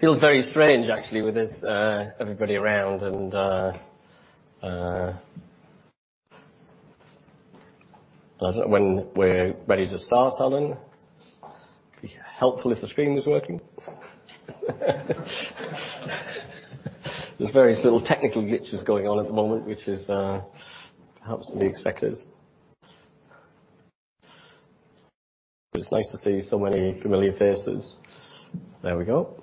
Feels very strange actually with everybody around. I don't know when we're ready to start, Alan. It'd be helpful if the screen was working. There's various little technical glitches going on at the moment, which is perhaps to be expected. But it's nice to see so many familiar faces. There we go.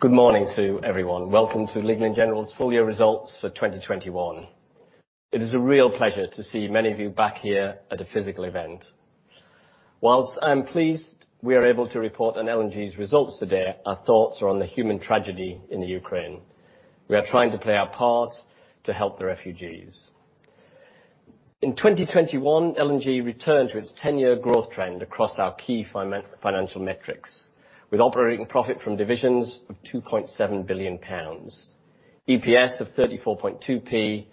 Good morning to everyone. Welcome to Legal & General's full year results for 2021. It is a real pleasure to see many of you back here at a physical event. While I'm pleased we are able to report on L&G's results today, our thoughts are on the human tragedy in the Ukraine. We are trying to play our part to help the refugees. In 2021, L&G returned to its 10-year growth trend across our key financial metrics, with operating profit from divisions of 2.7 billion pounds, EPS of 34.2p,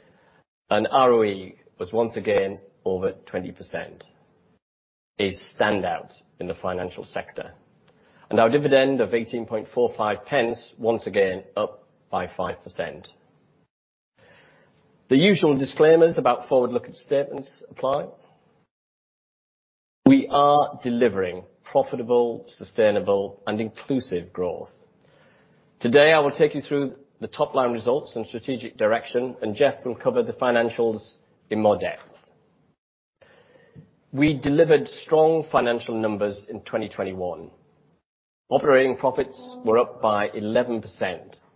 and ROE was once again over 20%. A standout in the financial sector. Our dividend of 18.45p, once again, up by 5%. The usual disclaimers about forward-looking statements apply. We are delivering profitable, sustainable, and inclusive growth. Today, I will take you through the top-line results and strategic direction, and Jeff will cover the financials in more depth. We delivered strong financial numbers in 2021. Operating profits were up by 11%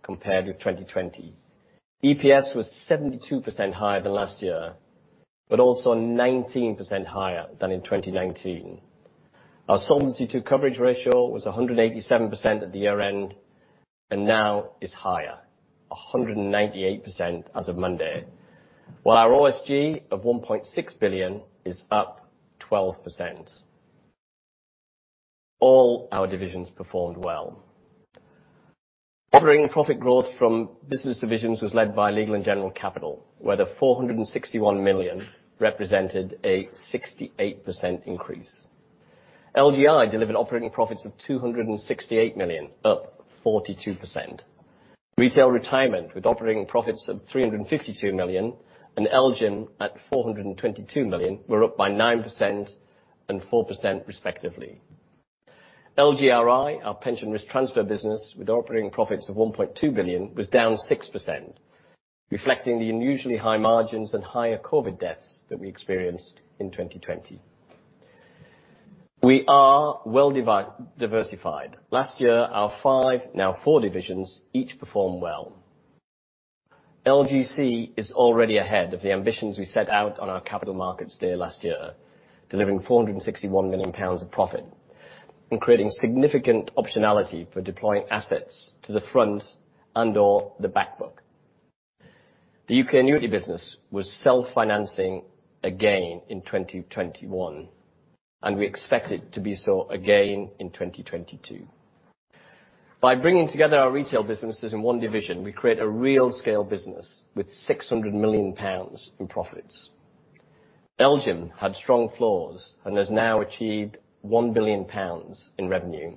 compared with 2020. EPS was 72% higher than last year, but also 19% higher than in 2019. Our Solvency II coverage ratio was 187% at the year-end, and now is higher, 198% as of Monday. Our OSG of 1.6 billion is up 12%. All our divisions performed well. Operating profit growth from business divisions was led by Legal & General Capital, where the 461 million represented a 68% increase. LGI delivered operating profits of 268 million, up 42%. Retail Retirement with operating profits of 352 million, and LGIM at 422 million were up by 9% and 4% respectively. LGRI, our pension risk transfer business with operating profits of 1.2 billion, was down 6%, reflecting the unusually high margins and higher COVID deaths that we experienced in 2020. We are well diversified. Last year, our five, now four divisions, each performed well. LGC is already ahead of the ambitions we set out on our Capital Markets Day last year, delivering 461 million pounds of profit and creating significant optionality for deploying assets to the front and/or the back book. The UK annuity business was self-financing again in 2021, and we expect it to be so again in 2022. By bringing together our retail businesses in one division, we create a real scale business with 600 million pounds in profits. LGIM had strong flows and has now achieved 1 billion pounds in revenue.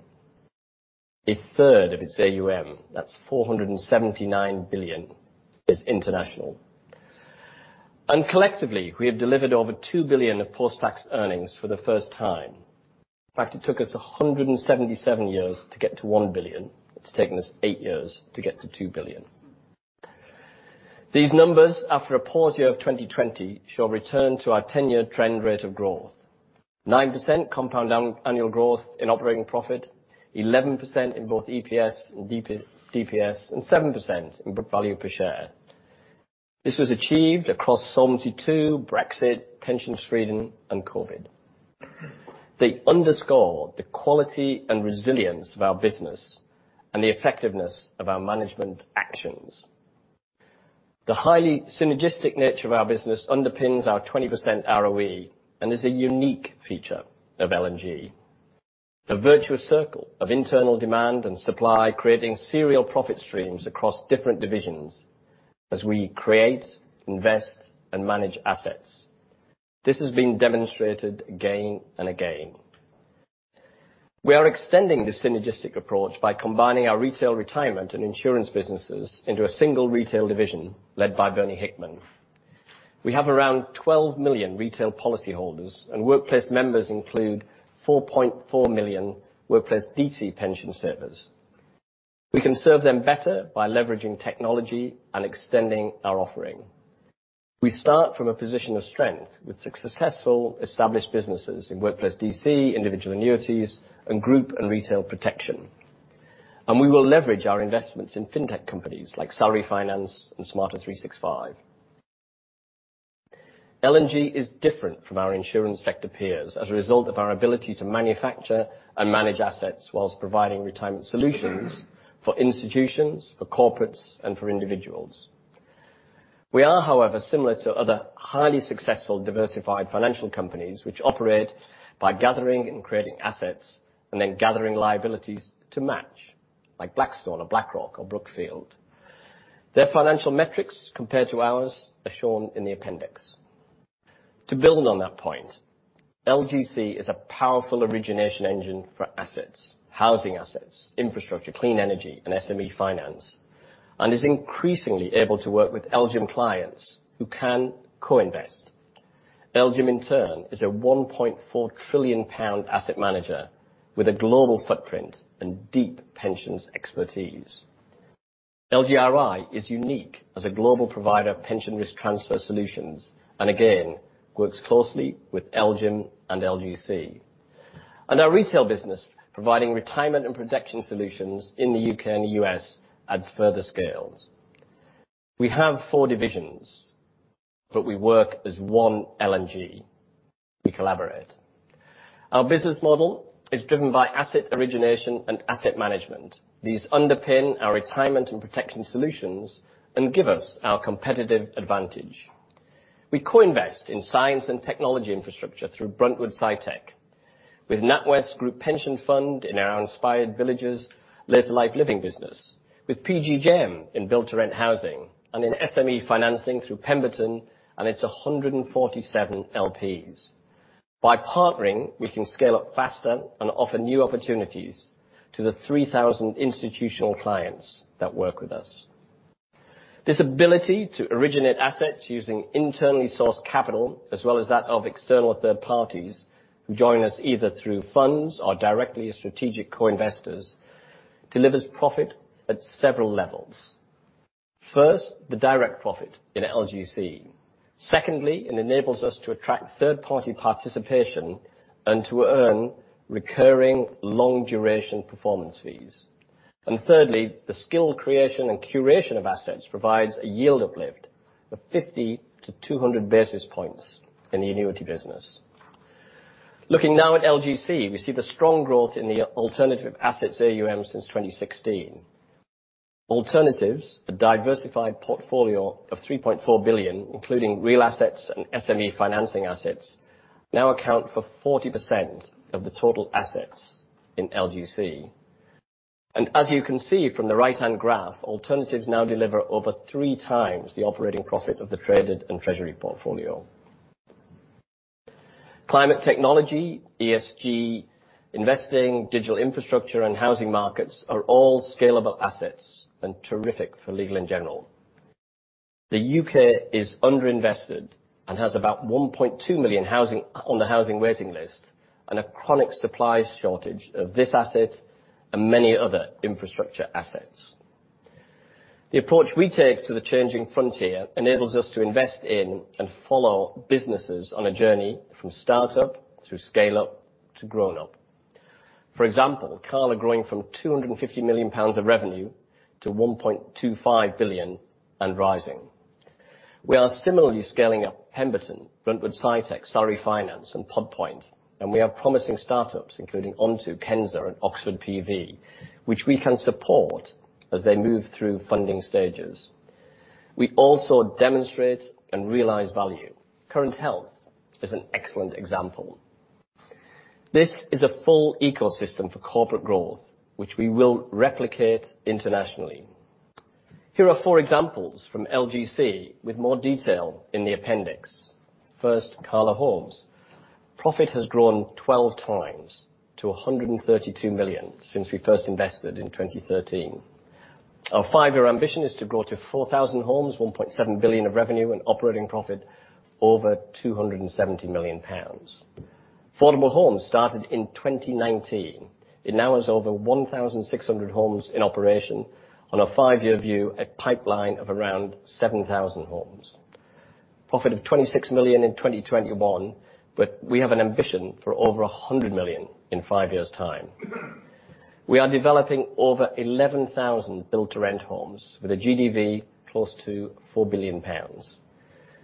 A third of its AUM, that's 479 billion, is international. Collectively, we have delivered over 2 billion of post-tax earnings for the first time. In fact, it took us 177 years to get to 1 billion. It's taken us eight years to get to 2 billion. These numbers, after a poor year of 2020, show a return to our 10-year trend rate of growth. 9% compound annual growth in operating profit, 11% in both EPS and DPS, and 7% in book value per share. This was achieved across Solvency II, Brexit, pension freedom, and COVID. They underscore the quality and resilience of our business and the effectiveness of our management actions. The highly synergistic nature of our business underpins our 20% ROE and is a unique feature of L&G. A virtuous circle of internal demand and supply, creating serial profit streams across different divisions as we create, invest, and manage assets. This has been demonstrated again and again. We are extending this synergistic approach by combining our Retail Retirement and Insurance businesses into a single retail division led by Bernie Hickman. We have around 12 million retail policyholders, and workplace members include 4.4 million Workplace DC pension savers. We can serve them better by leveraging technology and extending our offering. We start from a position of strength with successful established businesses in Workplace DC, individual annuities, and group and retail protection. We will leverage our investments in fintech companies like Salary Finance and Smartr365. L&G is different from our insurance sector peers as a result of our ability to manufacture and manage assets while providing retirement solutions for institutions, for corporates, and for individuals. We are, however, similar to other highly successful diversified financial companies which operate by gathering and creating assets, and then gathering liabilities to match, like Blackstone or BlackRock or Brookfield. Their financial metrics compared to ours are shown in the appendix. To build on that point, LGC is a powerful origination engine for assets, housing assets, infrastructure, clean energy, and SME finance, and is increasingly able to work with LGIM clients who can co-invest. LGIM in turn is a 1.4 trillion pound asset manager with a global footprint and deep pensions expertise. LGRI is unique as a global provider of pension risk transfer solutions, and again works closely with LGIM and LGC. Our retail business providing retirement and protection solutions in the U.K. and the U.S. adds further scale. We have four divisions, but we work as one L&G. We collaborate. Our business model is driven by asset origination and asset management. These underpin our retirement and protection solutions and give us our competitive advantage. We co-invest in science and technology infrastructure through Bruntwood SciTech with NatWest Group Pension Fund in our Inspired Villages later living business. With PGGM in build-to-rent housing. In SME financing through Pemberton, and it's 147 LPs. By partnering, we can scale up faster and offer new opportunities to the 3,000 institutional clients that work with us. This ability to originate assets using internally sourced capital as well as that of external third parties who join us either through funds or directly as strategic co-investors, delivers profit at several levels. First, the direct profit in LGC. Secondly, it enables us to attract third-party participation and to earn recurring long-duration performance fees. Thirdly, the skill creation and curation of assets provides a yield uplift of 50-200 basis points in the annuity business. Looking now at LGC, we see the strong growth in the alternative assets AUM since 2016. Alternatives, a diversified portfolio of 3.4 billion, including real assets and SME financing assets, now account for 40% of the total assets in LGC. As you can see from the right-hand graph, alternatives now deliver over 3x the operating profit of the traded and treasury portfolio. Climate technology, ESG investing, digital infrastructure, and housing markets are all scalable assets and terrific for Legal & General. The U.K. is under-invested and has about 1.2 million on the housing waiting list, and a chronic supply shortage of this asset and many other infrastructure assets. The approach we take to the changing frontier enables us to invest in and follow businesses on a journey from startup through scale-up to grown-up. For example, Cala growing from 250 million pounds of revenue to 1.25 billion and rising. We are similarly scaling up Pemberton, Bruntwood SciTech, Salary Finance, and Pod Point, and we have promising startups including Onto, Kensa, and Oxford PV, which we can support as they move through funding stages. We also demonstrate and realize value. Current Health is an excellent example. This is a full ecosystem for corporate growth, which we will replicate internationally. Here are four examples from LGC with more detail in the appendix. First, Cala Homes. Profit has grown 12x to 132 million since we first invested in 2013. Our five-year ambition is to grow to 4,000 homes, 1.7 billion of revenue, and operating profit over 270 million pounds. Affordable Homes started in 2019. It now has over 1,600 homes in operation. On a five-year view, a pipeline of around 7,000 homes. Profit of 26 million in 2021, but we have an ambition for over 100 million in five years' time. We are developing over 11,000 build-to-rent homes with a GDV close to 4 billion pounds.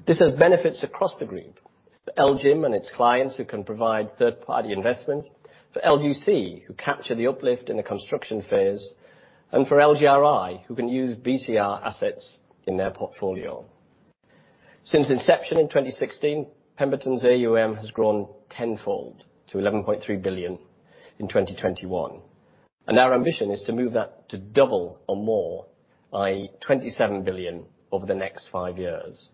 This has benefits across the group. For LGIM and its clients who can provide third-party investment, for LGC, who capture the uplift in the construction phase, and for LGRI, who can use BTR assets in their portfolio. Since inception in 2016, Pemberton's AUM has grown tenfold to 11.3 billion in 2021. Our ambition is to move that to double or more, i.e., 27 billion over the next five years.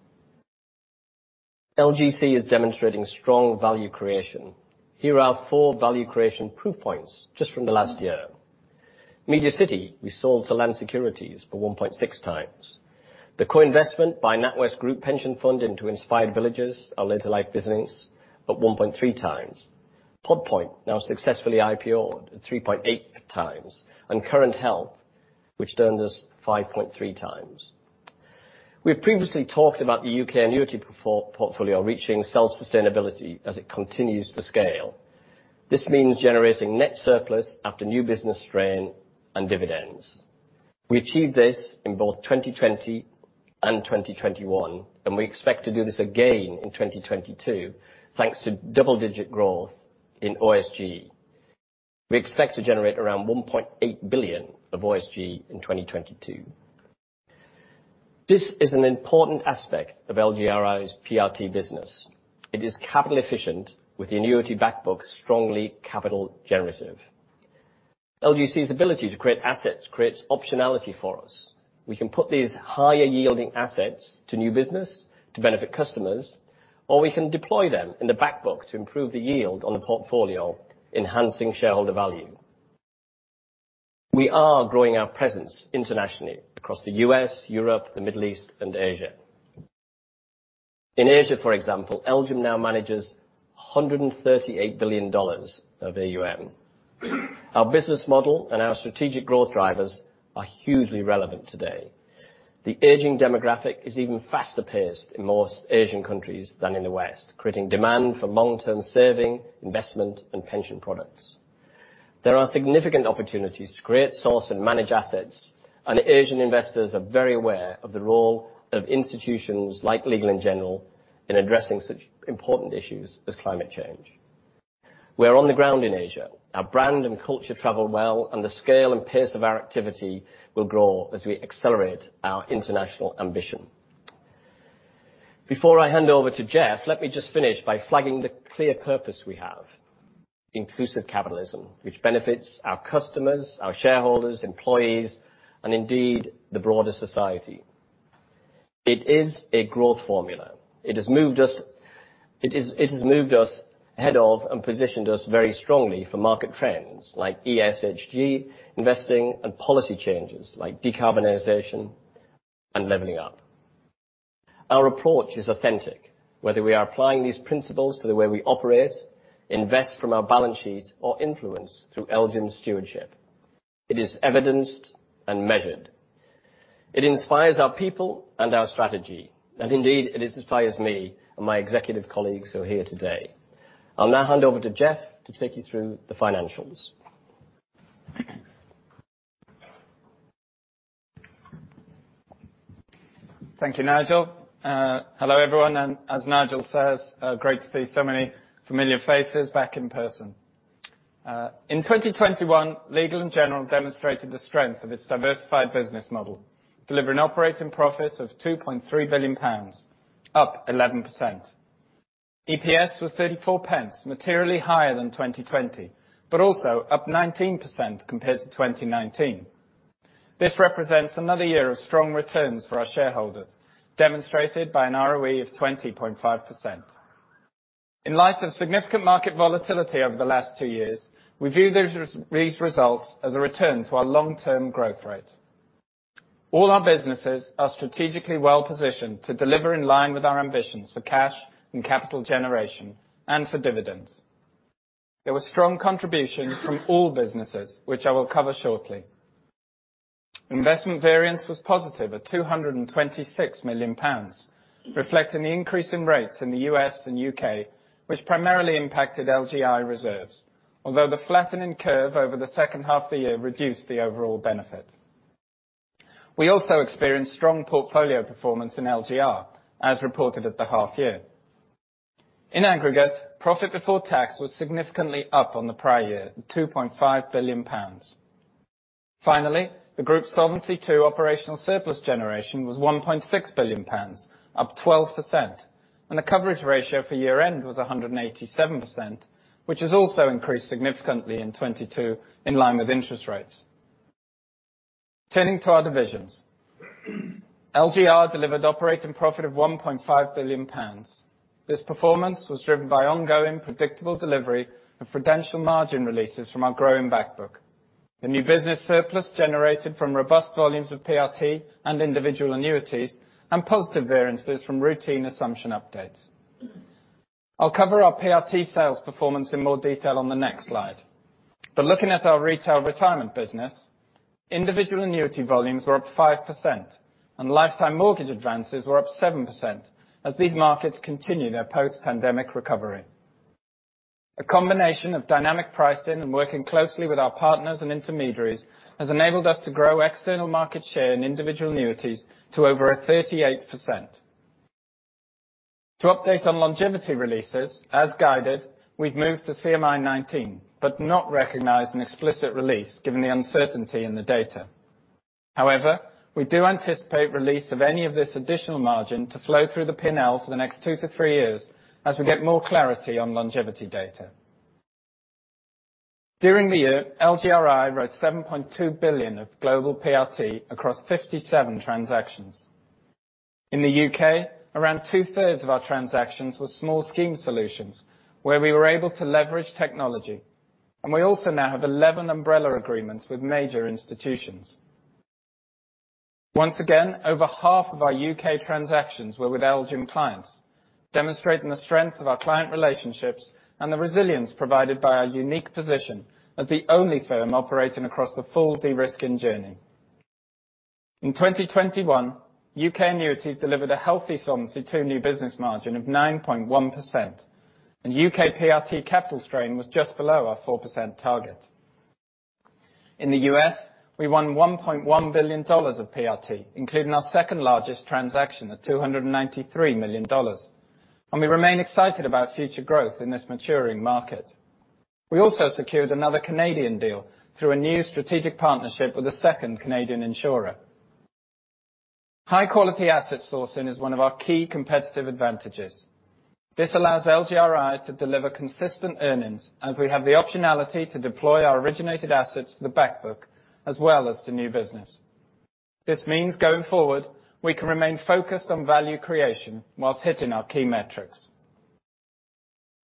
LGC is demonstrating strong value creation. Here are four value creation proof points just from the last year. MediaCity, we sold to Land Securities for 1.6x. The co-investment by NatWest Group Pension Fund into Inspired Villages, our later life business, at 1.3x. Pod Point, now successfully IPOed at 3.8x. Current Health, which earned us 5.3x. We have previously talked about the UK annuity portfolio reaching self-sustainability as it continues to scale. This means generating net surplus after new business strain and dividends. We achieved this in both 2020 and 2021, and we expect to do this again in 2022, thanks to double-digit growth in OSGE. We expect to generate around 1.8 billion of OSG in 2022. This is an important aspect of LGRI's PRT business. It is capital efficient, with the annuity back book strongly capital generative. LGC's ability to create assets creates optionality for us. We can put these higher yielding assets to new business to benefit customers, or we can deploy them in the back book to improve the yield on the portfolio, enhancing shareholder value. We are growing our presence internationally across the U.S., Europe, the Middle East and Asia. In Asia, for example, LGIM now manages $138 billion of AUM. Our business model and our strategic growth drivers are hugely relevant today. The aging demographic is even faster paced in most Asian countries than in the West, creating demand for long-term saving, investment and pension products. There are significant opportunities to create, source and manage assets, and Asian investors are very aware of the role of institutions like Legal & General in addressing such important issues as climate change. We are on the ground in Asia. Our brand and culture travel well, and the scale and pace of our activity will grow as we accelerate our international ambition. Before I hand over to Jeff, let me just finish by flagging the clear purpose we have, inclusive capitalism, which benefits our customers, our shareholders, employees and indeed the broader society. It is a growth formula. It has moved us ahead of and positioned us very strongly for market trends like ESG, investing and policy changes like decarbonization and leveling up. Our approach is authentic, whether we are applying these principles to the way we operate, invest from our balance sheet or influence through LGIM stewardship. It is evidenced and measured. It inspires our people and our strategy. Indeed, it inspires me and my executive colleagues who are here today. I'll now hand over to Jeff to take you through the financials. Thank you, Nigel. Hello, everyone. As Nigel says, great to see so many familiar faces back in person. In 2021, Legal & General demonstrated the strength of its diversified business model, delivering operating profit of 2.3 billion pounds, up 11%. EPS was 0.34, materially higher than 2020, but also up 19% compared to 2019. This represents another year of strong returns for our shareholders, demonstrated by an ROE of 20.5%. In light of significant market volatility over the last two years, we view these results as a return to our long-term growth rate. All our businesses are strategically well-positioned to deliver in line with our ambitions for cash and capital generation and for dividends. There were strong contributions from all businesses, which I will cover shortly. Investment variance was positive at 226 million pounds, reflecting the increase in rates in the U.S. and U.K., which primarily impacted LGI reserves, although the flattening curve over the second half of the year reduced the overall benefit. We also experienced strong portfolio performance in LGR, as reported at the half year. In aggregate, profit before tax was significantly up on the prior year at 2.5 billion pounds. Finally, the group Solvency II operational surplus generation was 1.6 billion pounds, up 12%, and the coverage ratio for year-end was 187%, which has also increased significantly in 2022 in line with interest rates. Turning to our divisions. LGR delivered operating profit of 1.5 billion pounds. This performance was driven by ongoing predictable delivery of prudential margin releases from our growing back book. The new business surplus generated from robust volumes of PRT and individual annuities and positive variances from routine assumption updates. I'll cover our PRT sales performance in more detail on the next slide. Looking at our retail retirement business, individual annuity volumes were up 5% and lifetime mortgage advances were up 7% as these markets continue their post-pandemic recovery. A combination of dynamic pricing and working closely with our partners and intermediaries has enabled us to grow external market share in individual annuities to over 38%. To update on longevity releases, as guided, we've moved to CMI 2019, but not recognized an explicit release given the uncertainty in the data. However, we do anticipate release of any of this additional margin to flow through the P&L for the next two-three years as we get more clarity on longevity data. During the year, LGRI wrote 7.2 billion of global PRT across 57 transactions. In the U.K., around two-thirds of our transactions were small scheme solutions where we were able to leverage technology. We also now have 11 umbrella agreements with major institutions. Once again, over half of our U.K. transactions were with LGIM clients, demonstrating the strength of our client relationships and the resilience provided by our unique position as the only firm operating across the full de-risking journey. In 2021, U.K. annuities delivered a healthy Solvency II new business margin of 9.1%, and U.K. PRT capital strain was just below our 4% target. In the U.S., we won $1.1 billion of PRT, including our second-largest transaction of $293 million. We remain excited about future growth in this maturing market. We also secured another Canadian deal through a new strategic partnership with a second Canadian insurer. High-quality asset sourcing is one of our key competitive advantages. This allows LGRI to deliver consistent earnings, as we have the optionality to deploy our originated assets to the back book as well as to new business. This means, going forward, we can remain focused on value creation while hitting our key metrics.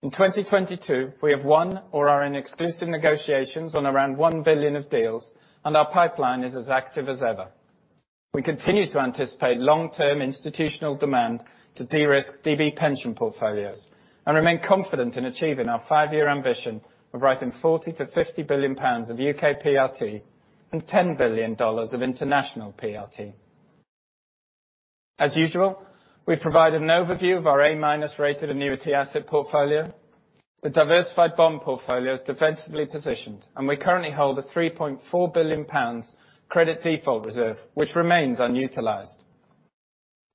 In 2022, we have won or are in exclusive negotiations on around 1 billion of deals, and our pipeline is as active as ever. We continue to anticipate long-term institutional demand to de-risk DB pension portfolios and remain confident in achieving our five-year ambition of writing 40 billion-50 billion pounds of UK PRT and $10 billion of international PRT. As usual, we've provided an overview of our A-minus rated annuity asset portfolio. The diversified bond portfolio is defensively positioned, and we currently hold a 3.4 billion pounds credit default reserve, which remains unutilized.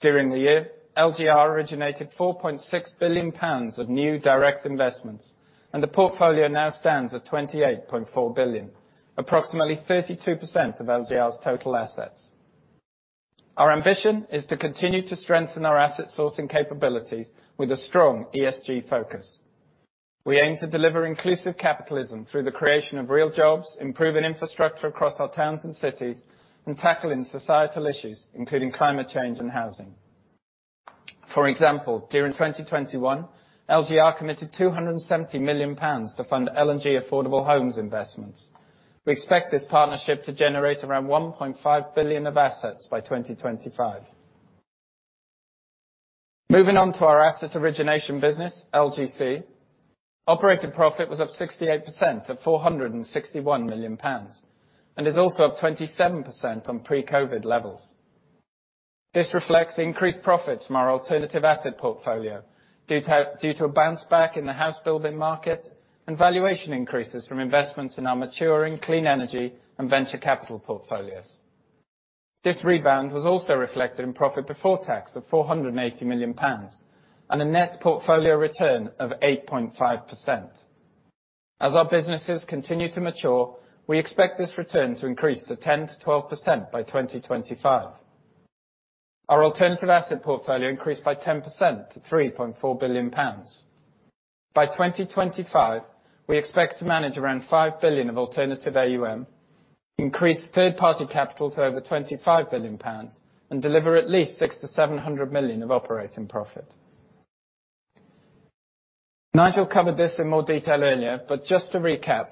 During the year, LGR originated 4.6 billion pounds of new direct investments, and the portfolio now stands at 28.4 billion, approximately 32% of LGR's total assets. Our ambition is to continue to strengthen our asset sourcing capabilities with a strong ESG focus. We aim to deliver inclusive capitalism through the creation of real jobs, improving infrastructure across our towns and cities, and tackling societal issues, including climate change and housing. For example, during 2021, LGR committed 270 million pounds to fund L&G Affordable Homes investments. We expect this partnership to generate around 1.5 billion of assets by 2025. Moving on to our asset origination business, LGC. Operating profit was up 68% to 461 million pounds, and is also up 27% on pre-COVID levels. This reflects increased profits from our alternative asset portfolio due to a bounce-back in the house building market and valuation increases from investments in our maturing clean energy and venture capital portfolios. This rebound was also reflected in profit before tax of 480 million pounds, and a net portfolio return of 8.5%. As our businesses continue to mature, we expect this return to increase to 10%-12% by 2025. Our alternative asset portfolio increased by 10% to 3.4 billion pounds. By 2025, we expect to manage around 5 billion of alternative AUM, increase third-party capital to over 25 billion pounds, and deliver at least 600 million-700 million of operating profit. Nigel covered this in more detail earlier, but just to recap,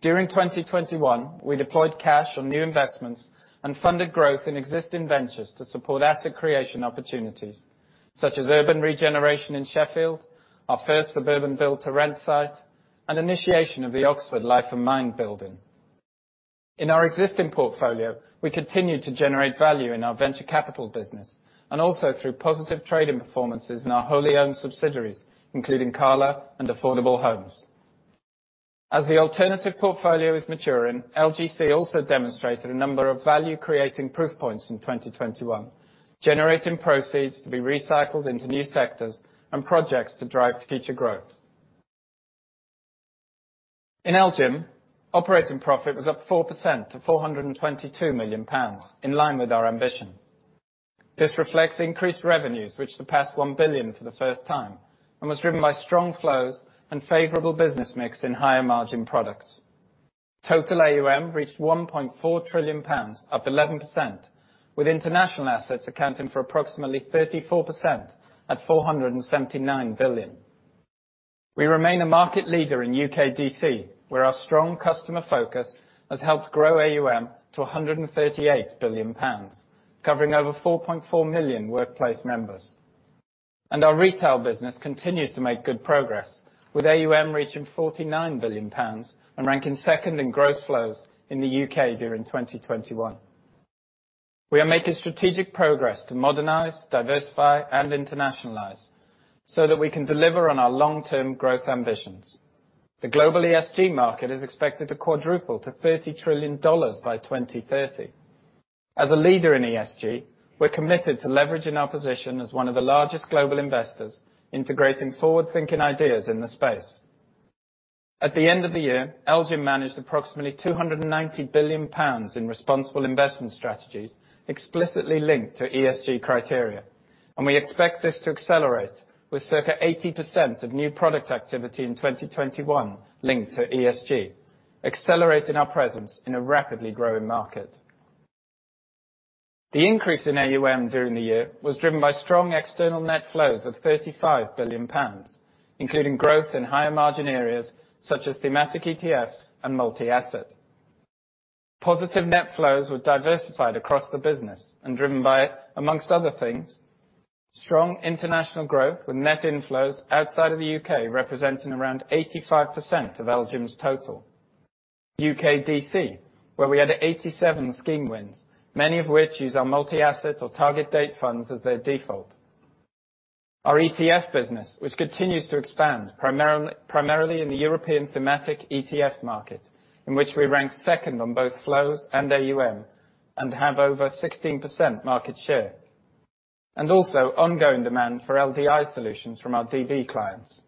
during 2021, we deployed cash on new investments and funded growth in existing ventures to support asset creation opportunities such as urban regeneration in Sheffield, our first suburban build-to-rent site, and initiation of the Oxford Life and Mind Building. In our existing portfolio, we continued to generate value in our venture capital business and also through positive trading performances in our wholly owned subsidiaries, including Cala and Affordable Homes. As the alternative portfolio is maturing, LGC also demonstrated a number of value-creating proof points in 2021, generating proceeds to be recycled into new sectors and projects to drive future growth. In LGIM, operating profit was up 4% to 422 million pounds, in line with our ambition. This reflects increased revenues, which surpassed 1 billion for the first time and was driven by strong flows and favorable business mix in higher margin products. Total AUM reached 1.4 trillion pounds, up 11%, with international assets accounting for approximately 34% at 479 billion. We remain a market leader in UK DC, where our strong customer focus has helped grow AUM to 138 billion pounds, covering over 4.4 million workplace members. Our retail business continues to make good progress, with AUM reaching 49 billion pounds and ranking second in gross flows in the UK during 2021. We are making strategic progress to modernize, diversify, and internationalize so that we can deliver on our long-term growth ambitions. The global ESG market is expected to quadruple to $30 trillion by 2030. As a leader in ESG, we're committed to leveraging our position as one of the largest global investors, integrating forward-thinking ideas in the space. At the end of the year, LGIM managed approximately 290 billion pounds in responsible investment strategies explicitly linked to ESG criteria, and we expect this to accelerate with circa 80% of new product activity in 2021 linked to ESG, accelerating our presence in a rapidly growing market. The increase in AUM during the year was driven by strong external net flows of 35 billion pounds, including growth in higher margin areas such as thematic ETFs and multi-asset. Positive net flows were diversified across the business and driven by, among other things, strong international growth, with net inflows outside of the U.K. representing around 85% of LGIM's total. UK DC, where we had 87 scheme wins, many of which use our multi-asset or target date funds as their default. Our ETF business, which continues to expand primarily in the European thematic ETF market, in which we rank second on both flows and AUM and have over 16% market share, and also ongoing demand for LDI solutions from our DB clients.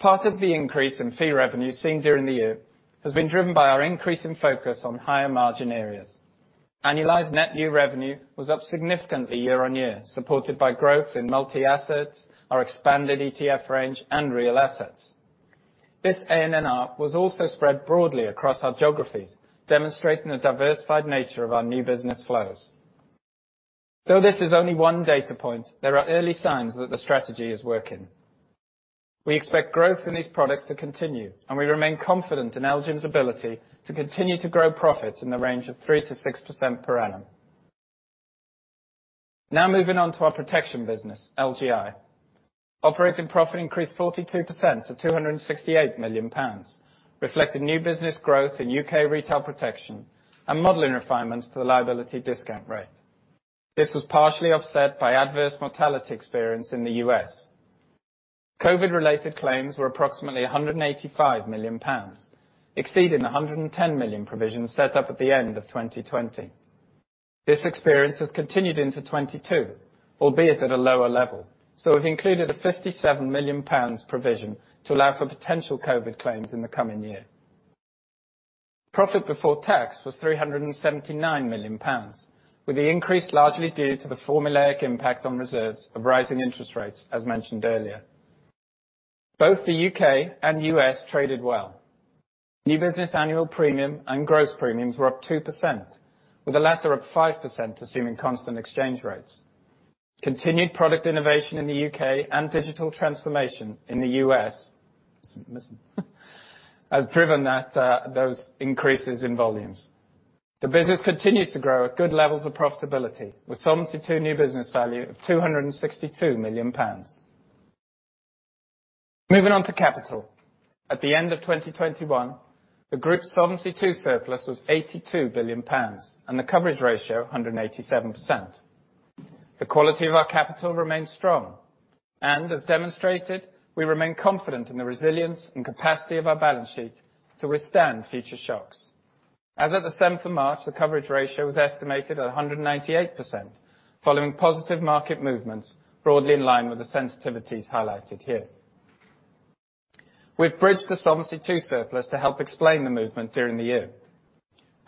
Part of the increase in fee revenue seen during the year has been driven by our increase in focus on higher margin areas. Annualized net new revenue was up significantly year-on-year, supported by growth in multi-assets, our expanded ETF range, and real assets. This ANNR was also spread broadly across our geographies, demonstrating the diversified nature of our new business flows. Though this is only one data point, there are early signs that the strategy is working. We expect growth in these products to continue, and we remain confident in LGIM's ability to continue to grow profits in the range of 3%-6% per annum. Now moving on to our protection business, LGI. Operating profit increased 42% to 268 million pounds, reflecting new business growth in U.K. retail protection and modeling refinements to the liability discount rate. This was partially offset by adverse mortality experience in the U.S. COVID-related claims were approximately 185 million pounds, exceeding the 110 million provisions set up at the end of 2020. This experience has continued into 2022, albeit at a lower level, so we've included a 57 million pounds provision to allow for potential COVID claims in the coming year. Profit before tax was 379 million pounds, with the increase largely due to the formulaic impact on reserves of rising interest rates, as mentioned earlier. Both the U.K. and U.S. traded well. New business annual premium and gross premiums were up 2%, with the latter up 5% assuming constant exchange rates. Continued product innovation in the U.K. and digital transformation in the U.S. has driven that, those increases in volumes. The business continues to grow at good levels of profitability, with Solvency II new business value of 262 million pounds. Moving on to capital. At the end of 2021, the group's Solvency II surplus was 82 billion pounds, and the coverage ratio 187%. The quality of our capital remains strong and, as demonstrated, we remain confident in the resilience and capacity of our balance sheet to withstand future shocks. As at the seventh of March, the coverage ratio was estimated at 198%, following positive market movements broadly in line with the sensitivities highlighted here. We've bridged the Solvency II surplus to help explain the movement during the year.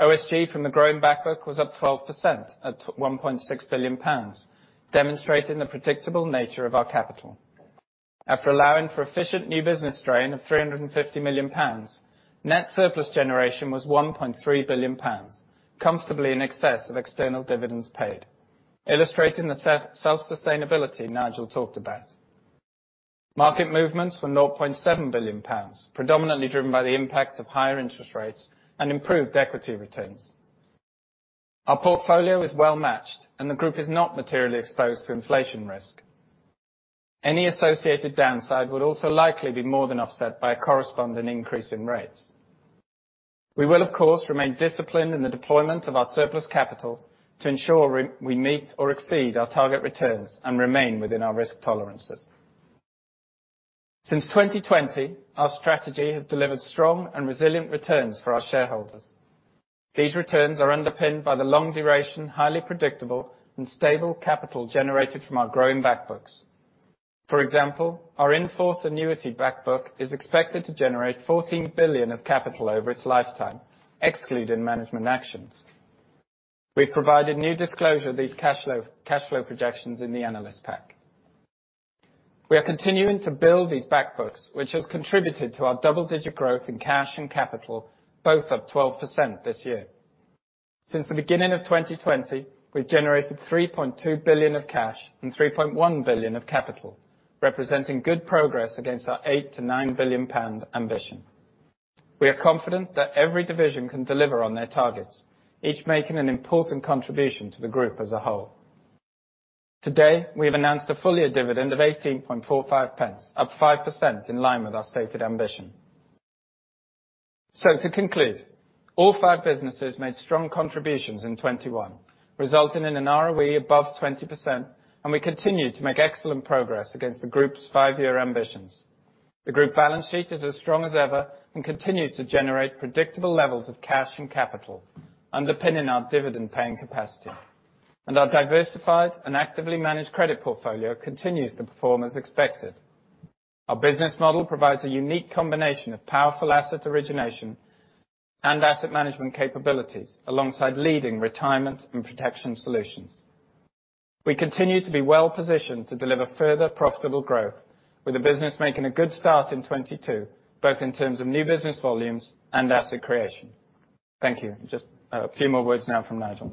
OSG from the growing back book was up 12% at 1.6 billion pounds, demonstrating the predictable nature of our capital. After allowing for efficient new business strain of 350 million pounds, net surplus generation was 1.3 billion pounds, comfortably in excess of external dividends paid, illustrating the self-sustainability Nigel talked about. Market movements were 0.7 billion pounds, predominantly driven by the impact of higher interest rates and improved equity returns. Our portfolio is well-matched, and the group is not materially exposed to inflation risk. Any associated downside would also likely be more than offset by a corresponding increase in rates. We will of course remain disciplined in the deployment of our surplus capital to ensure we meet or exceed our target returns and remain within our risk tolerances. Since 2020, our strategy has delivered strong and resilient returns for our shareholders. These returns are underpinned by the long duration, highly predictable, and stable capital generated from our growing back books. For example, our in-force annuity back book is expected to generate 14 billion of capital over its lifetime, excluding management actions. We've provided new disclosure of these cash flow projections in the analyst pack. We are continuing to build these back books, which has contributed to our double-digit growth in cash and capital, both up 12% this year. Since the beginning of 2020, we've generated 3.2 billion of cash and 3.1 billion of capital, representing good progress against our 8-9 billion pound ambition. We are confident that every division can deliver on their targets, each making an important contribution to the group as a whole. Today, we have announced a full year dividend of GBP 0.18.45, up 5% in line with our stated ambition. To conclude, all five businesses made strong contributions in 2021, resulting in an ROE above 20%, and we continue to make excellent progress against the group's five-year ambitions. The group balance sheet is as strong as ever and continues to generate predictable levels of cash and capital, underpinning our dividend-paying capacity. Our diversified and actively managed credit portfolio continues to perform as expected. Our business model provides a unique combination of powerful asset origination and asset management capabilities alongside leading retirement and protection solutions. We continue to be well positioned to deliver further profitable growth with the business making a good start in 2022, both in terms of new business volumes and asset creation. Thank you. Just a few more words now from Nigel.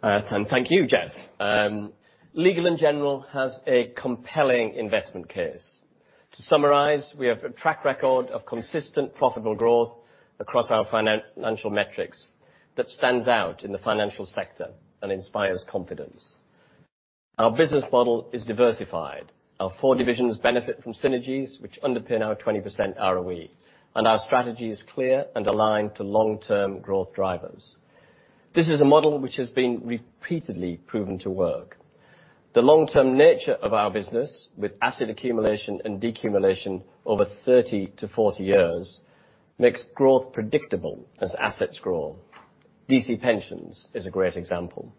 Thank you, Jeff. Legal & General has a compelling investment case. To summarize, we have a track record of consistent profitable growth across our financial metrics that stands out in the financial sector and inspires confidence. Our business model is diversified. Our four divisions benefit from synergies which underpin our 20% ROE. Our strategy is clear and aligned to long-term growth drivers. This is a model which has been repeatedly proven to work. The long-term nature of our business with asset accumulation and decumulation over 30-40 years makes growth predictable as assets grow. DC Pensions is a great example.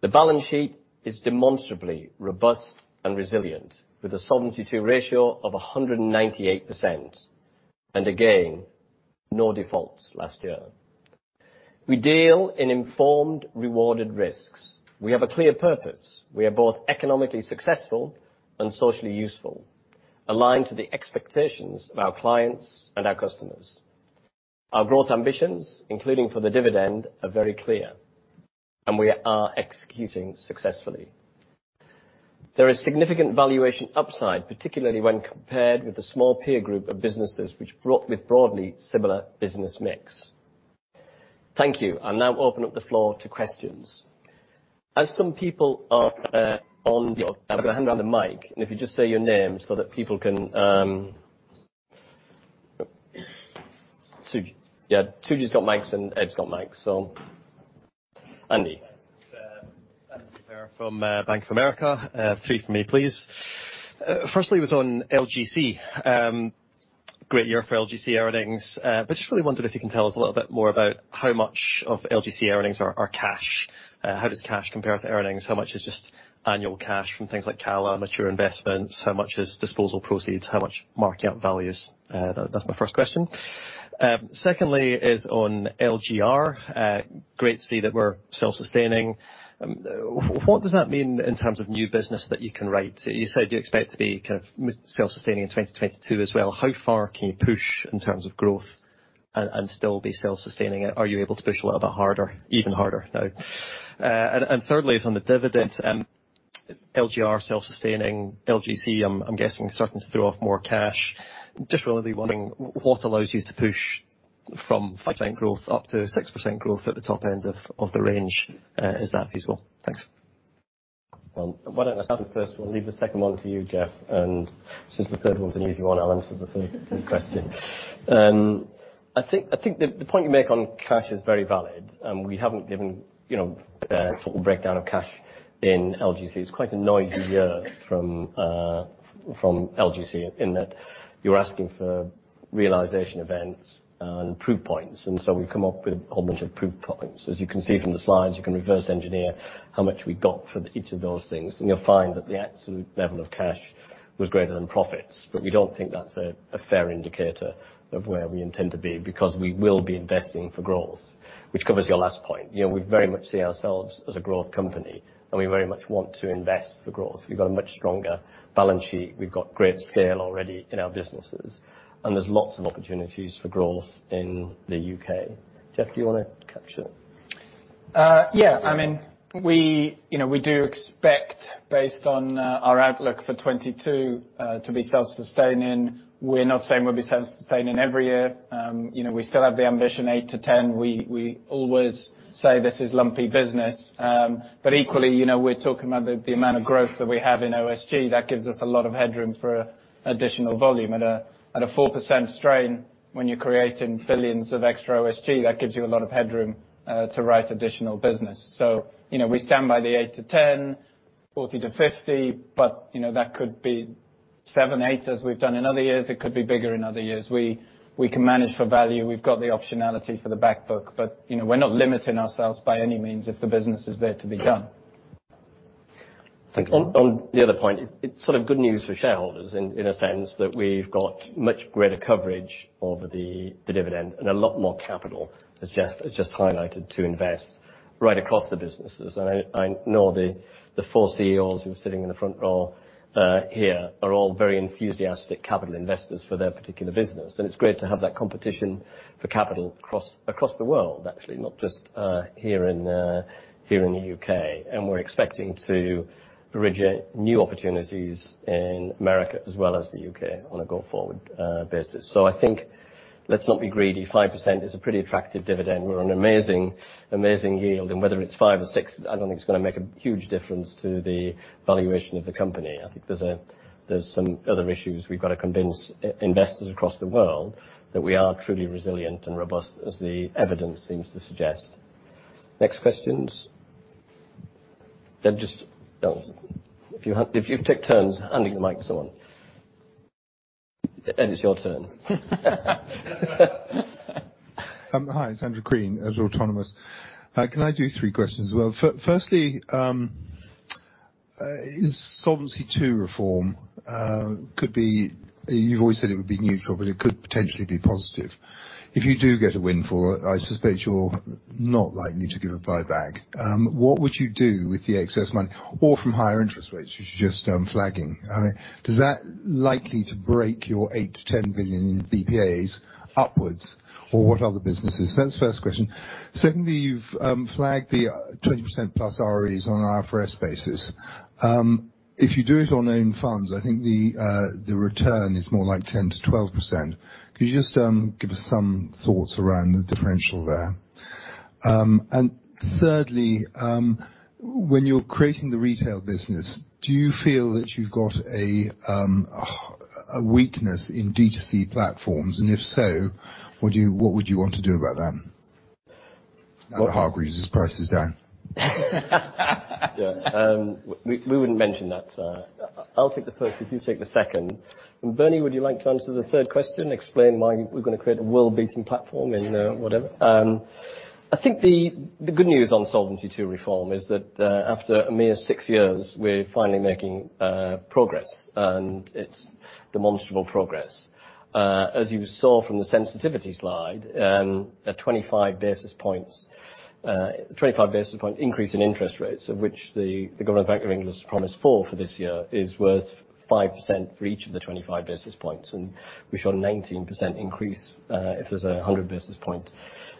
The balance sheet is demonstrably robust and resilient with a Solvency II ratio of 198%. Again, no defaults last year. We deal in informed rewarded risks. We have a clear purpose. We are both economically successful and socially useful, aligned to the expectations of our clients and our customers. Our growth ambitions, including for the dividend, are very clear, and we are executing successfully. There is significant valuation upside, particularly when compared with a small peer group of businesses which brought with broadly similar business mix. Thank you. I'll now open up the floor to questions. As some people are on the line around the mic, and if you just say your name so that people can Suji. Yeah, Suji's got mics and Ed's got mics. So, Andy. Thanks. It's from Bank of America. Three for me, please. First question was on LGC. Great year for LGC earnings. Just really wondered if you can tell us a little bit more about how much of LGC earnings are cash. How does cash compare to earnings? How much is just annual cash from things like CALA, mature investments? How much is disposal proceeds? How much mark-up values? That's my first question. Second question is on LGR. Great to see that we're self-sustaining. What does that mean in terms of new business that you can write? You said you expect to be kind of self-sustaining in 2022 as well. How far can you push in terms of growth and still be self-sustaining? Are you able to push a little bit harder, even harder now? Thirdly, on the dividend. LGR self-sustaining, LGC, I'm guessing starting to throw off more cash. Just really wondering what allows you to push from 5% growth up to 6% growth at the top end of the range. Is that feasible? Thanks. Why don't I start with the first one, leave the second one to you, Jeff. Since the third one's an easy one, I'll answer the third question. I think the point you make on cash is very valid, and we haven't given, you know, sort of breakdown of cash in LGC. It's quite a noisy year from LGC in that you're asking for realization events and proof points. We've come up with a whole bunch of proof points. As you can see from the slides, you can reverse engineer how much we got for each of those things, and you'll find that the absolute level of cash was greater than profits. We don't think that's a fair indicator of where we intend to be because we will be investing for growth, which covers your last point. You know, we very much see ourselves as a growth company, and we very much want to invest for growth. We've got a much stronger balance sheet. We've got great scale already in our businesses, and there's lots of opportunities for growth in the U.K. Jeff, do you wanna capture? Yeah. I mean, we, you know, we do expect based on our outlook for 2022 to be self-sustaining. We're not saying we'll be self-sustaining every year. You know, we still have the ambition eight-10. We always say this is lumpy business. Equally, you know, we're talking about the amount of growth that we have in OSG. That gives us a lot of headroom for additional volume. At a 4% strain, when you're creating billions of extra OSG, that gives you a lot of headroom to write additional business. You know, we stand by the eight-10, 40-50, but, you know, that could be seven, eight as we've done in other years. It could be bigger in other years. We can manage for value. We've got the optionality for the back book. You know, we're not limiting ourselves by any means if the business is there to be done. Thank you. On the other point, it's sort of good news for shareholders in a sense that we've got much greater coverage over the dividend and a lot more capital, as Jeff highlighted, to invest right across the businesses. I know the four CEOs who are sitting in the front row here are all very enthusiastic capital investors for their particular business. It's great to have that competition for capital across the world, actually, not just here in the U.K. We're expecting to originate new opportunities in America as well as the U.K. on a go-forward basis. I think let's not be greedy. 5% is a pretty attractive dividend. We're an amazing yield. Whether it's five or six, I don't think it's gonna make a huge difference to the valuation of the company. I think there's some other issues. We've got to convince investors across the world that we are truly resilient and robust as the evidence seems to suggest. Next questions. Just. Oh, if you take turns handing the mic to someone. Ed, it's your turn. Hi, it's Andrew Crean at Autonomous Research. Can I do three questions as well? Firstly, is Solvency II reform could be positive. You've always said it would be neutral, but it could potentially be positive. If you do get a windfall, I suspect you're not likely to do a buyback. What would you do with the excess money or from higher interest rates? You've just flagged. I mean, is that likely to break your 8 billion-GBP10 billion BPAs upwards or what other businesses? That's the first question. Secondly, you've flagged the 20%+ ROEs on an IFRS basis. If you do it on own funds, I think the return is more like 10%-12%. Could you just give us some thoughts around the differential there? Thirdly, when you're creating the retail business, do you feel that you've got a weakness in D2C platforms? If so, what would you want to do about them? Now that Hargreaves' price is down. We wouldn't mention that, sir. I'll take the first if you take the second. Bernie, would you like to answer the third question, explain why we're gonna create a world-beating platform in whatever? I think the good news on Solvency II reform is that after a mere six years, we're finally making progress, and it's demonstrable progress. As you saw from the sensitivity slide, at 25 basis points, 25 basis point increase in interest rates, of which the Governor of the Bank of England has promised four for this year, is worth 5% for each of the 25 basis points. We saw 19% increase if there's a 100 basis point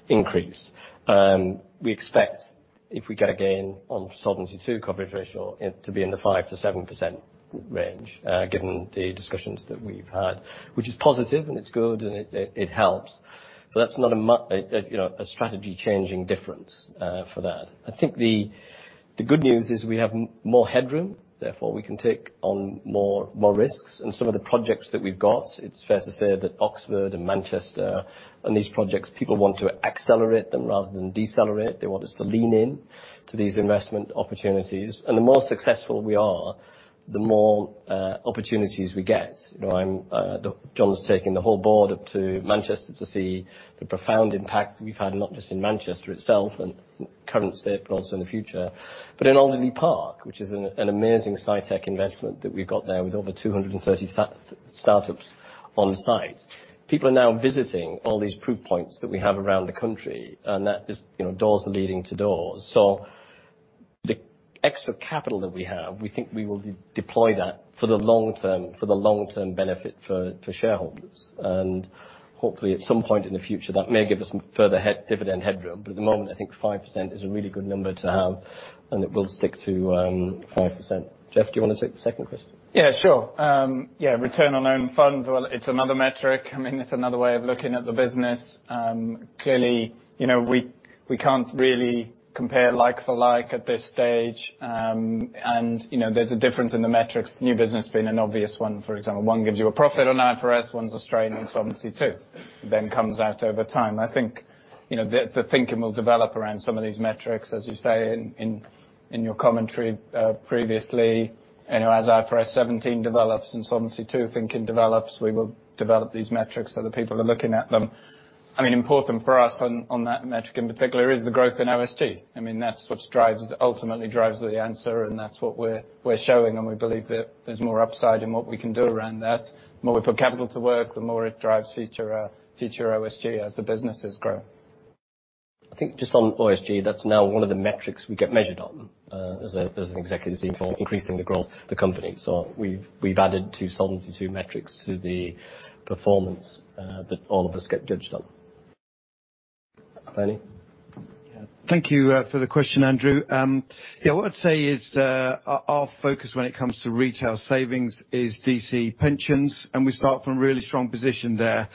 increase. We expect if we get a gain on Solvency II coverage ratio it to be in the 5%-7% range, given the discussions that we've had. Which is positive and it's good and it helps, but that's not a, you know, a strategy-changing difference, for that. I think the good news is we have more headroom, therefore, we can take on more risks. Some of the projects that we've got, it's fair to say that Oxford and Manchester and these projects, people want to accelerate them rather than decelerate. They want us to lean in to these investment opportunities. The more successful we are, the more opportunities we get. You know, I'm John's taking the whole board up to Manchester to see the profound impact we've had, not just in Manchester itself and the country, but also in the future, but in Alderley Park, which is an amazing SciTech investment that we've got there with over 230 startups on site. People are now visiting all these proof points that we have around the country, and that is, you know, doors are leading to doors. The extra capital that we have, we think we will deploy that for the long term, for the long-term benefit for shareholders. Hopefully, at some point in the future, that may give us some further dividend headroom. At the moment, I think 5% is a really good number to have, and it will stick to 5%. Jeff, do you wanna take the second question? Yeah, sure. Yeah, return on own funds. Well, it's another metric. I mean, it's another way of looking at the business. Clearly, you know, we can't really compare like for like at this stage. You know, there's a difference in the metrics, new business being an obvious one, for example. One gives you a profit on IFRS, one's a strain in Solvency II, then comes out over time. I think, you know, the thinking will develop around some of these metrics, as you say in your commentary previously. You know, as IFRS 17 develops and Solvency II thinking develops, we will develop these metrics so that people are looking at them. I mean, important for us on that metric in particular is the growth in OSG. I mean, that's what drives the, ultimately drives the answer, and that's what we're showing, and we believe that there's more upside in what we can do around that. The more we put capital to work, the more it drives future OSG as the businesses grow. I think just on OSG, that's now one of the metrics we get measured on, as an executive team for increasing the growth of the company. We've added two Solvency II metrics to the performance that all of us get judged on. Bernie? Yeah. Thank you for the question, Andrew. Yeah, what I'd say is, our focus when it comes to retail savings is DC pensions, and we start from a really strong position there,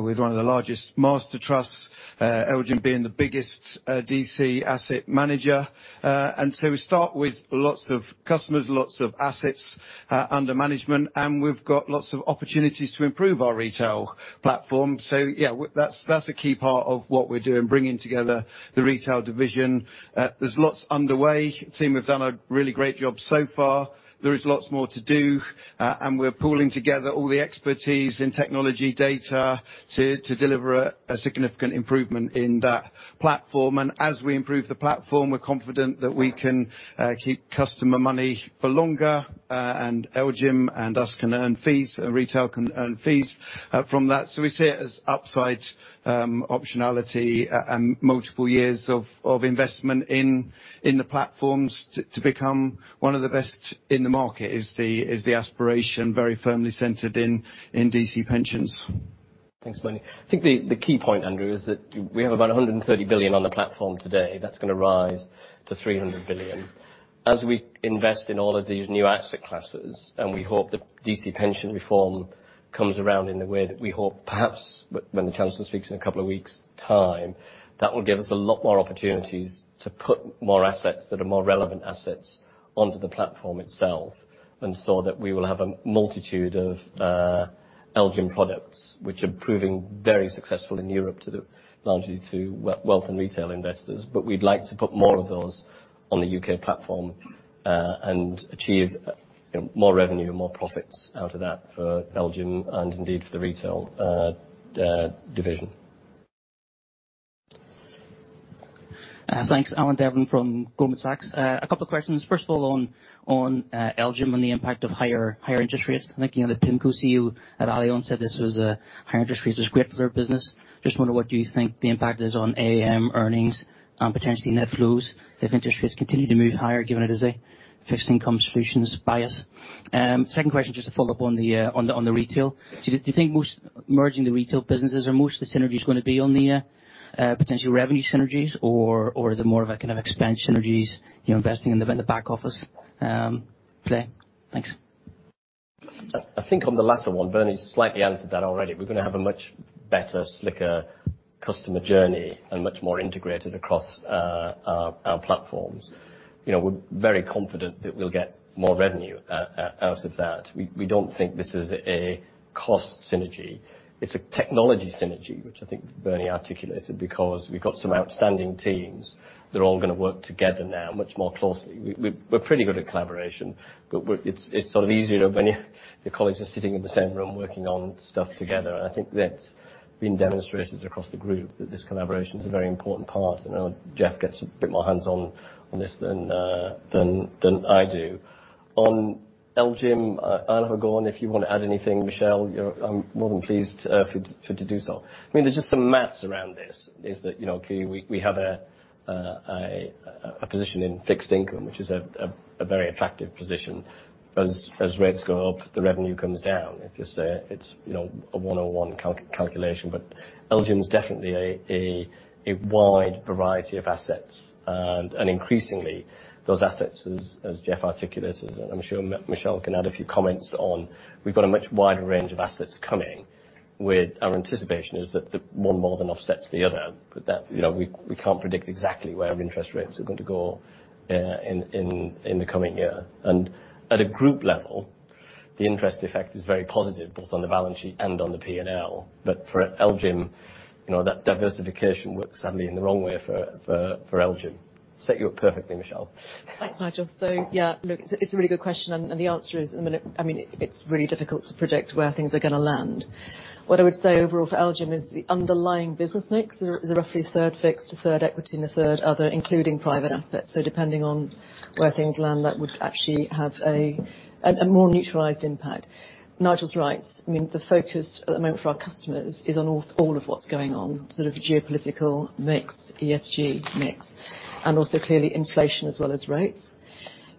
with one of the largest master trusts, LGIM being the biggest, DC asset manager. We start with lots of customers, lots of assets under management, and we've got lots of opportunities to improve our retail platform. That's a key part of what we're doing, bringing together the retail division. There's lots underway. The team have done a really great job so far. There is lots more to do, and we're pooling together all the expertise in technology data to deliver a significant improvement in that platform. As we improve the platform, we're confident that we can keep customer money for longer, and LGIM and us can earn fees, and retail can earn fees from that. We see it as upside, optionality, and multiple years of investment in the platforms to become one of the best in the market is the aspiration very firmly centered in DC Pensions. Thanks, Bernie. I think the key point, Andrew, is that we have about $130 billion on the platform today. That's gonna rise to $300 billion. As we invest in all of these new asset classes, and we hope that DC pension reform comes around in the way that we hope, perhaps when the Chancellor speaks in a couple of weeks' time, that will give us a lot more opportunities to put more assets that are more relevant assets onto the platform itself. That we will have a multitude of LGIM products, which are proving very successful in Europe largely to wealth and retail investors. But we'd like to put more of those on the U.K. platform, and achieve, you know, more revenue and more profits out of that for LGIM, and indeed for the retail division. Thanks. Alan Devlin from Goldman Sachs. A couple questions. First of all, on LGIM and the impact of higher interest rates. I think, you know, the PIMCO CEO at Allianz said this was higher interest rates was great for their business. Just wondering what you think the impact is on AUM earnings and potentially net flows if interest rates continue to move higher, given it is a fixed income solutions bias. Second question, just to follow up on the retail. Do you think most merging the retail businesses, are most of the synergies gonna be on the potential revenue synergies or is it more of a kind of expense synergies, you know, investing in the back office play? Thanks. I think on the latter one, Bernie's slightly answered that already. We're gonna have a much better, slicker customer journey and much more integrated across our platforms. You know, we're very confident that we'll get more revenue out of that. We don't think this is a cost synergy. It's a technology synergy, which I think Bernie articulated, because we've got some outstanding teams. They're all gonna work together now much more closely. We're pretty good at collaboration, but it's sort of easier when your colleagues are sitting in the same room working on stuff together. I think that's been demonstrated across the group that this collaboration is a very important part. I know Jeff gets a bit more hands-on on this than I do. On LGIM, Arne has gone. If you wanna add anything, Michelle, you're, I'm more than pleased for you to do so. I mean, there's just some math around this, you know, clearly we have a position in fixed income, which is a very attractive position. As rates go up, the revenue comes down. If you say it's, you know, a one-on-one calculation. LGIM's definitely a wide variety of assets. And increasingly, those assets, as Jeff articulated, I'm sure Michelle can add a few comments on, we've got a much wider range of assets coming with our anticipation is that the one more than offsets the other. That, you know, we can't predict exactly where interest rates are going to go in the coming year. At a group level, the interest effect is very positive, both on the balance sheet and on the P&L. For LGIM, you know, that diversification works sadly in the wrong way for LGIM. Set you up perfectly, Michelle. Thanks, Nigel. Yeah, look, it's a really good question, and the answer is, I mean, it's really difficult to predict where things are gonna land. What I would say overall for LGIM is the underlying business mix is roughly third fixed to third equity and a third other, including private assets. Depending on where things land, that would actually have a more neutralized impact. Nigel's right. I mean, the focus at the moment for our customers is on all of what's going on, sort of geopolitical mix, ESG mix, and also clearly inflation as well as rates.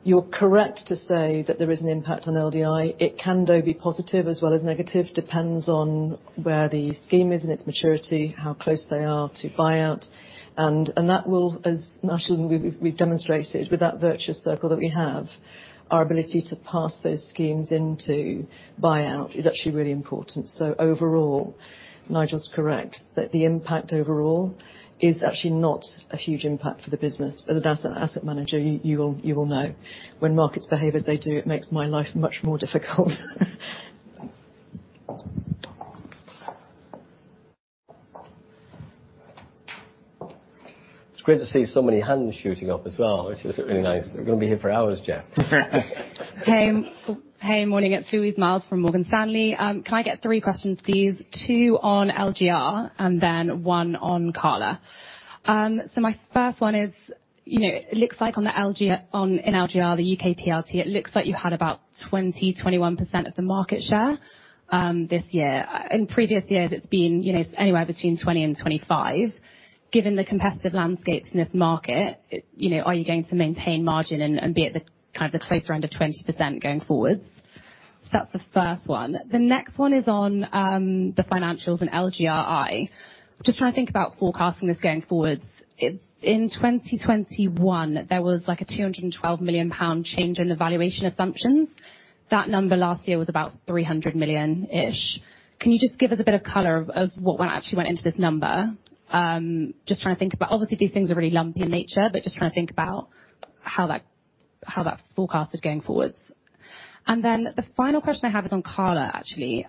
You're correct to say that there is an impact on LDI. It can, though, be positive as well as negative. Depends on where the scheme is in its maturity, how close they are to buyout. That will, as Nigel and we've demonstrated with that virtuous circle that we have, our ability to pass those schemes into buyout is actually really important. Overall, Nigel's correct that the impact overall is actually not a huge impact for the business. As an asset manager, you will know. When markets behave as they do, it makes my life much more difficult. It's great to see so many hands shooting up as well, which is really nice. We're gonna be here for hours, Jeff. Morning. It's Louise Miles from Morgan Stanley. Can I get three questions, please? Two on LGR and then one on CALA. My first one is, you know, it looks like in LGR, the UK PRT, it looks like you had about 20-21% of the market share this year. In previous years, it's been, you know, anywhere between 20%-25%. Given the competitive landscapes in this market, you know, are you going to maintain margin and be at the kind of closer end of 20% going forward? That's the first one. The next one is on the financials in LGRI. Just trying to think about forecasting this going forward. In 2021, there was like a 212 million pound change in the valuation assumptions. That number last year was about 300 million-ish. Can you just give us a bit of color on what actually went into this number? Just trying to think about. Obviously, these things are really lumpy in nature, but just trying to think about how that's forecasted going forwards. Then the final question I have is on CALA, actually.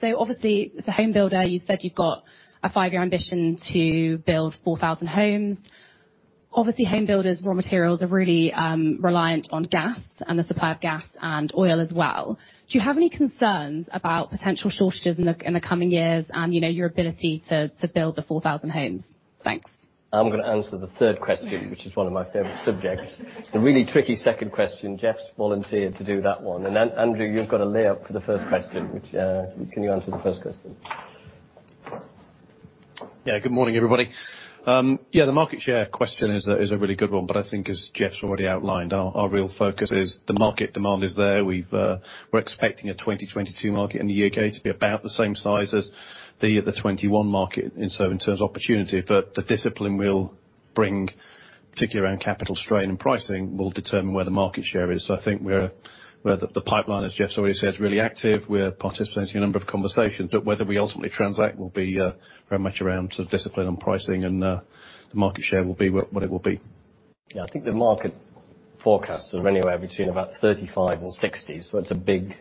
So obviously, as a home builder, you said you've got a five-year ambition to build 4,000 homes. Obviously, home builders, raw materials are really reliant on gas and the supply of gas and oil as well. Do you have any concerns about potential shortages in the coming years and, you know, your ability to build the 4,000 homes? Thanks. I'm gonna answer the third question, which is one of my favorite subjects. The really tricky second question, Jeff's volunteered to do that one. Andrew, you've got to lay up for the first question, which can you answer the first question? Yeah. Good morning, everybody. Yeah, the market share question is a really good one. I think as Jeff's already outlined, our real focus is the market demand is there. We're expecting a 2022 market in the U.K. to be about the same size as the 2021 market, and so in terms of opportunity. The discipline we'll bring, particularly around capital strain and pricing, will determine where the market share is. I think the pipeline, as Jeff's already said, is really active. We're participating in a number of conversations. Whether we ultimately transact will be very much around sort of discipline and pricing, and the market share will be what it will be. Yeah. I think the market forecasts are anywhere between about 35 and 60, so it's a big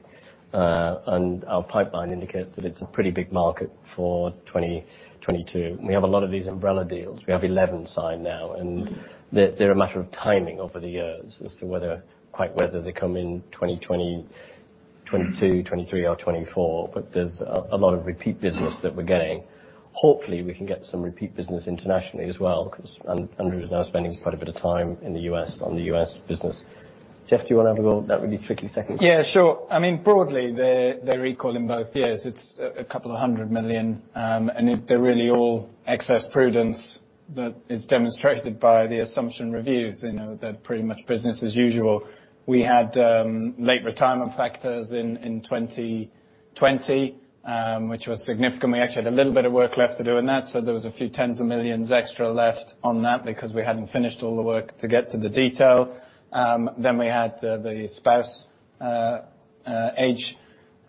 and our pipeline indicates that it's a pretty big market for 2022. We have a lot of these umbrella deals. We have 11 signed now, and they're a matter of timing over the years as to whether, quite whether they come in 2022, 2023 or 2024. There's a lot of repeat business that we're getting. Hopefully, we can get some repeat business internationally as well because Andrew is now spending quite a bit of time in the U.S. on the U.S. business. Jeff, do you wanna have a go at that really tricky second question? Yeah, sure. I mean, broadly, they release in both years. It's 200 million. They're really all excess prudence that is demonstrated by the assumption reviews. You know, they're pretty much business as usual. We had late retirement factors in twenty 20, which was significant. We actually had a little bit of work left to do in that, so there was a few tens of millions extra left on that because we hadn't finished all the work to get to the detail. We had the spouse age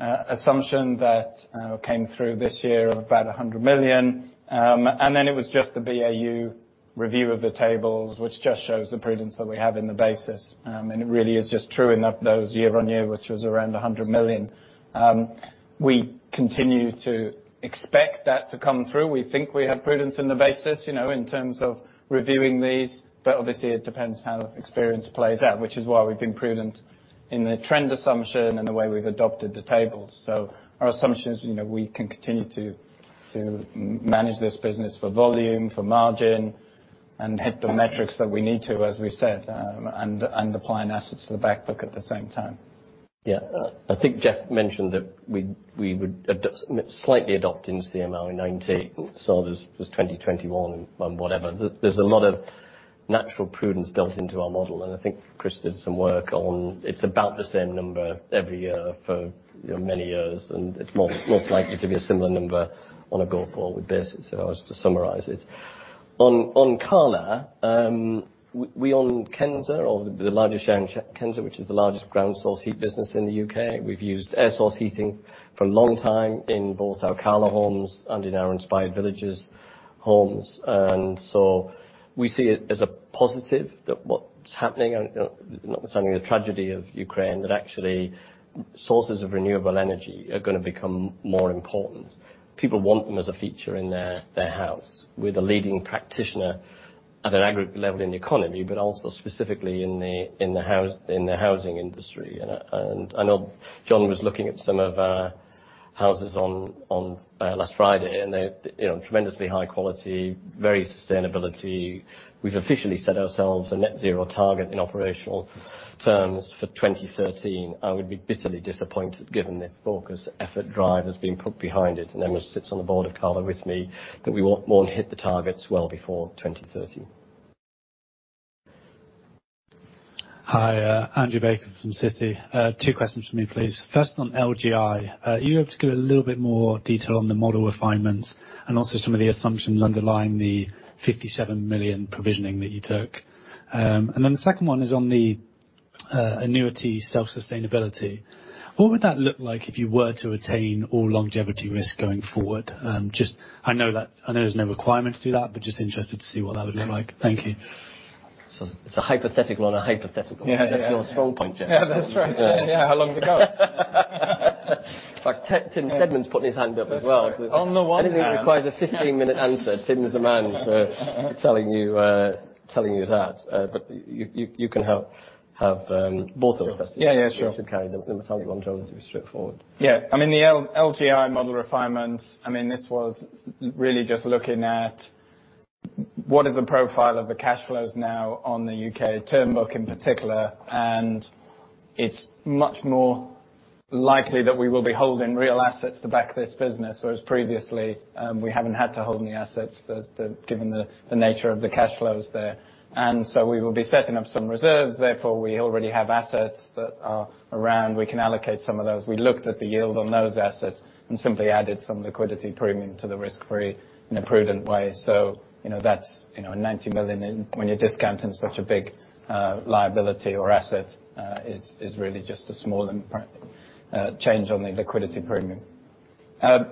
assumption that came through this year of about 100 million. It was just the BAU review of the tables, which just shows the prudence that we have in the basis. It really is just true in that those year-on-year, which was around 100 million. We continue to expect that to come through. We think we have prudence in the basis, you know, in terms of reviewing these, but obviously it depends how the experience plays out, which is why we've been prudent in the trend assumption and the way we've adopted the tables. Our assumption is, you know, we can continue to manage this business for volume, for margin, and hit the metrics that we need to, as we said, and applying assets to the back book at the same time. Yeah. I think Jeff mentioned that we would slightly adopt into the MLR 90, so there's 2021 and whatever. There's a lot of natural prudence built into our model, and I think Chris did some work on it. It's about the same number every year for you know many years, and it's most likely to be a similar number on a go forward basis, if I was to summarize it. On Cala, we own Kensa, or the largest share in Kensa, which is the largest ground source heat business in the UK. We've used air source heating for a long time in both our Cala homes and in our Inspired Villages homes. We see it as a positive that what's happening, and, you know, notwithstanding the tragedy of Ukraine, that actually sources of renewable energy are gonna become more important. People want them as a feature in their house. We're the leading practitioner at an aggregate level in the economy, but also specifically in the housing industry. I know John was looking at some of our houses on last Friday, and they're, you know, tremendously high quality, very sustainable. We've officially set ourselves a net zero target in operational terms for 2030. I would be bitterly disappointed given the focus, effort, drive that's been put behind it, and Emma sits on the board of Cala with me, that we won't hit the targets well before 2030. Hi. Andrew Baker from Citi. Two questions from me, please. First, on LGI. Are you able to give a little bit more detail on the model refinements and also some of the assumptions underlying the 57 million provisioning that you took? The second one is on the annuity self-sustainability. What would that look like if you were to attain all longevity risk going forward? Just, I know there's no requirement to do that, but just interested to see what that would look like. Thank you. It's a hypothetical on a hypothetical. Yeah. That's your strong point, Jeff. Yeah, that's right. Yeah. Yeah. How long have we got? In fact, Tim Steadman's putting his hand up as well. That's right. On the one hand. Anything that requires a 15-minute answer, Tim's the man for telling you that. You can have both those questions. Yeah, yeah. Sure. You should carry them. The methodology was straightforward. Yeah. I mean, the LGI model refinements, I mean, this was really just looking at what is the profile of the cash flows now on the UK term book in particular, and it's much more likely that we will be holding real assets to back this business, whereas previously, we haven't had to hold any assets, given the nature of the cash flows there. We will be setting up some reserves, therefore we already have assets that are around. We can allocate some of those. We looked at the yield on those assets and simply added some liquidity premium to the risk-free in a prudent way. You know, that's you know, 90 million when you're discounting such a big liability or asset is really just a small impact on the liquidity premium.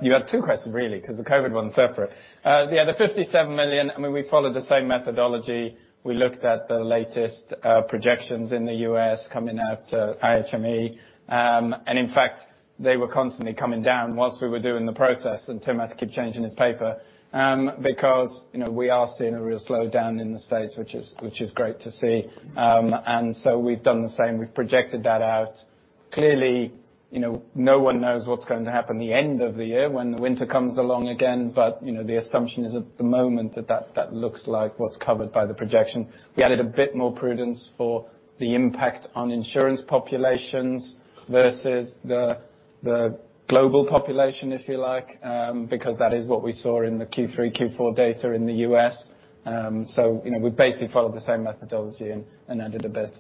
You had two questions really, 'cause the COVID one's separate. Yeah, the 57 million, I mean, we followed the same methodology. We looked at the latest projections in the U.S. coming out of IHME. In fact, they were constantly coming down while we were doing the process, and Tim had to keep changing his paper. You know, we are seeing a real slowdown in the States, which is great to see. We've done the same. We've projected that out. Clearly, you know, no one knows what's going to happen the end of the year when the winter comes along again. You know, the assumption is at the moment that that looks like what's covered by the projection. We added a bit more prudence for the impact on insurance populations versus the global population, if you like, because that is what we saw in the Q3, Q4 data in the U.S. You know, we basically followed the same methodology and added a bit.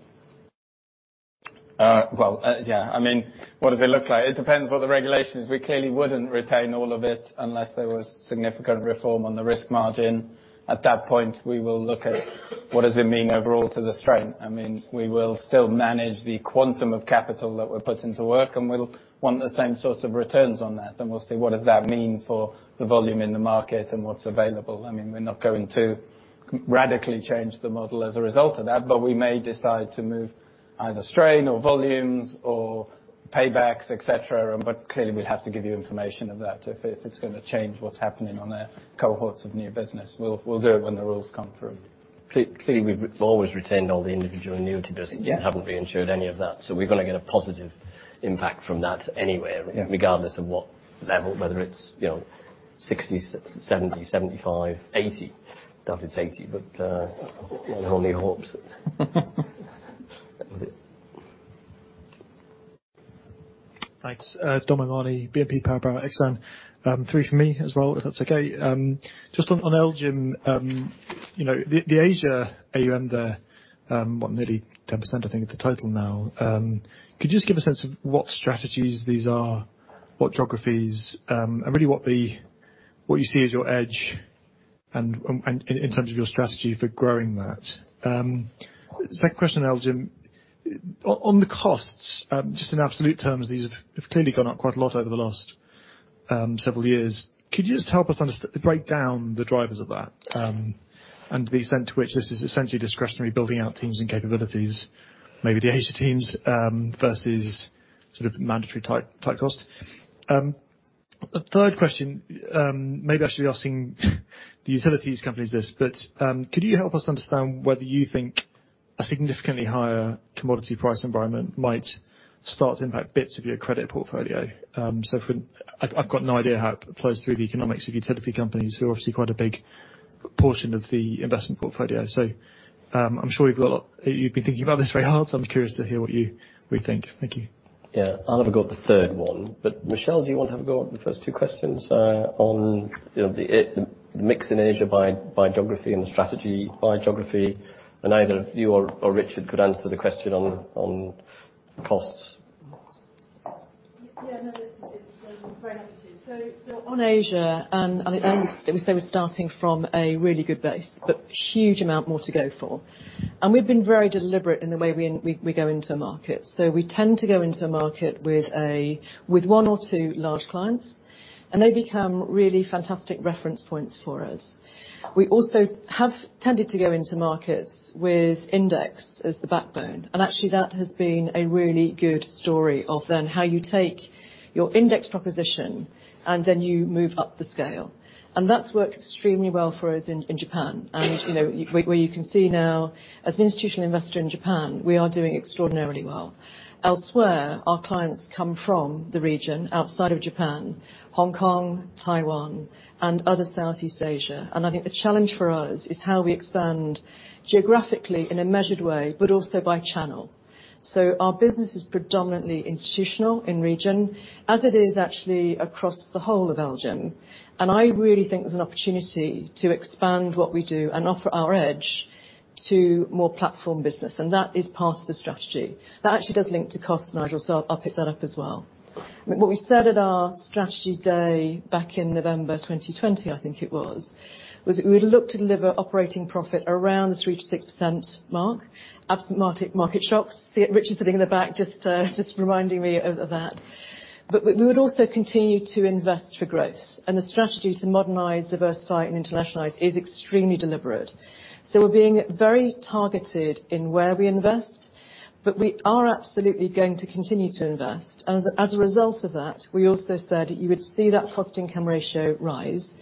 Well, yeah. I mean, what does it look like? It depends what the regulation is. We clearly wouldn't retain all of it unless there was significant reform on the risk margin. At that point, we will look at what does it mean overall to the strain. I mean, we will still manage the quantum of capital that we're putting to work, and we'll want the same sorts of returns on that, and we'll see what does that mean for the volume in the market and what's available. I mean, we're not going to radically change the model as a result of that, but we may decide to move either strain or volumes or paybacks, et cetera. Clearly we'd have to give you information of that if it's gonna change what's happening on the cohorts of new business. We'll do it when the rules come through. Clearly, we've always retained all the individual annuity business. Yeah. We haven't reinsured any of that. We're gonna get a positive impact from that anyway. Yeah. Regardless of what level, whether it's, you know, 60, 70, 75, 80. Doubt it's 80, but one can only hope. That's it. Thanks. Dominic O'Mahony, BNP Paribas Exane. Three from me as well, if that's okay. Just on LGIM. You know, the Asia AUM there, what nearly 10% I think of the total now. Could you just give a sense of what strategies these are, what geographies, and really what you see as your edge and in terms of your strategy for growing that. Second question, Jim. On the costs, just in absolute terms, these have clearly gone up quite a lot over the last several years. Could you just help us break down the drivers of that, and the extent to which this is essentially discretionary building out teams and capabilities, maybe the Asia teams, versus sort of mandatory type cost. A third question, maybe I should be asking the utilities companies this, but could you help us understand whether you think a significantly higher commodity price environment might start to impact bits of your credit portfolio? I've got no idea how it flows through the economics of utility companies who are obviously quite a big portion of the investment portfolio. I'm sure you've got a lot. You've been thinking about this very hard, so I'm curious to hear what we think. Thank you. Yeah. I'll have a go at the third one. Michelle, do you want to have a go at the first two questions, on, you know, the mix in Asia by geography and strategy by geography? Either you or Richard could answer the question on costs. Yeah, no, we're very happy to. So, on Asia, and we say we're starting from a really good base, but huge amount more to go for. And we've been very deliberate in the way we go into a market. So, we tend to go into a market with one or two large clients. And they become really fantastic reference points for us. We also have tended to go into markets with index as the backbone. And actually, that has been a really good story of then how you take your index proposition and then you move up the scale. And that's worked extremely well for us in Japan, where you can see now as an institutional investor in Japan, we are doing extraordinarily well. Elsewhere, our clients come from the region outside of Japan, Hong Kong, Taiwan, and other Southeast Asia. And I think the challenge for us is how we expand geographically in a measured way, but also by channel. So our business is predominantly institutional in region, as it is actually across the whole of Belgium. And I really think there's an opportunity to expand what we do and offer our edge to more platform business. And that is part of the strategy. That actually does link to cost, Nigel, so I'll pick that up as well. What we said at our strategy day back in November 2020, I think it was, was we would look to deliver operating profit around the 3% to 6% mark, absent market shocks. Richard sitting in the back just reminding me of that. But we would also continue to invest for growth. And the strategy to modernize, diversify, and internationalize is extremely deliberate. So we're being very targeted in where we invest, but we are absolutely going to continue to invest. As a result of that, we also said you would see that cost-income ratio rise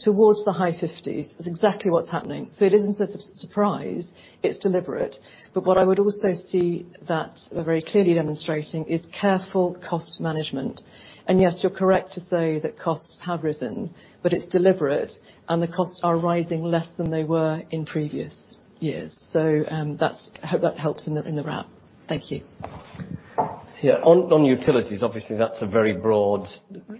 towards the high 50s is exactly what's happening so it isn't a surprise it's deliberate but what i would also see that very clearly demonstrating is careful cost management and yes you're correct to say that costs have risen but it's deliberate and the costs are rising less than they were in previous years so um that's i hope that helps in the wrap. Thank you Yeah, on utility, obviously, that's a very broad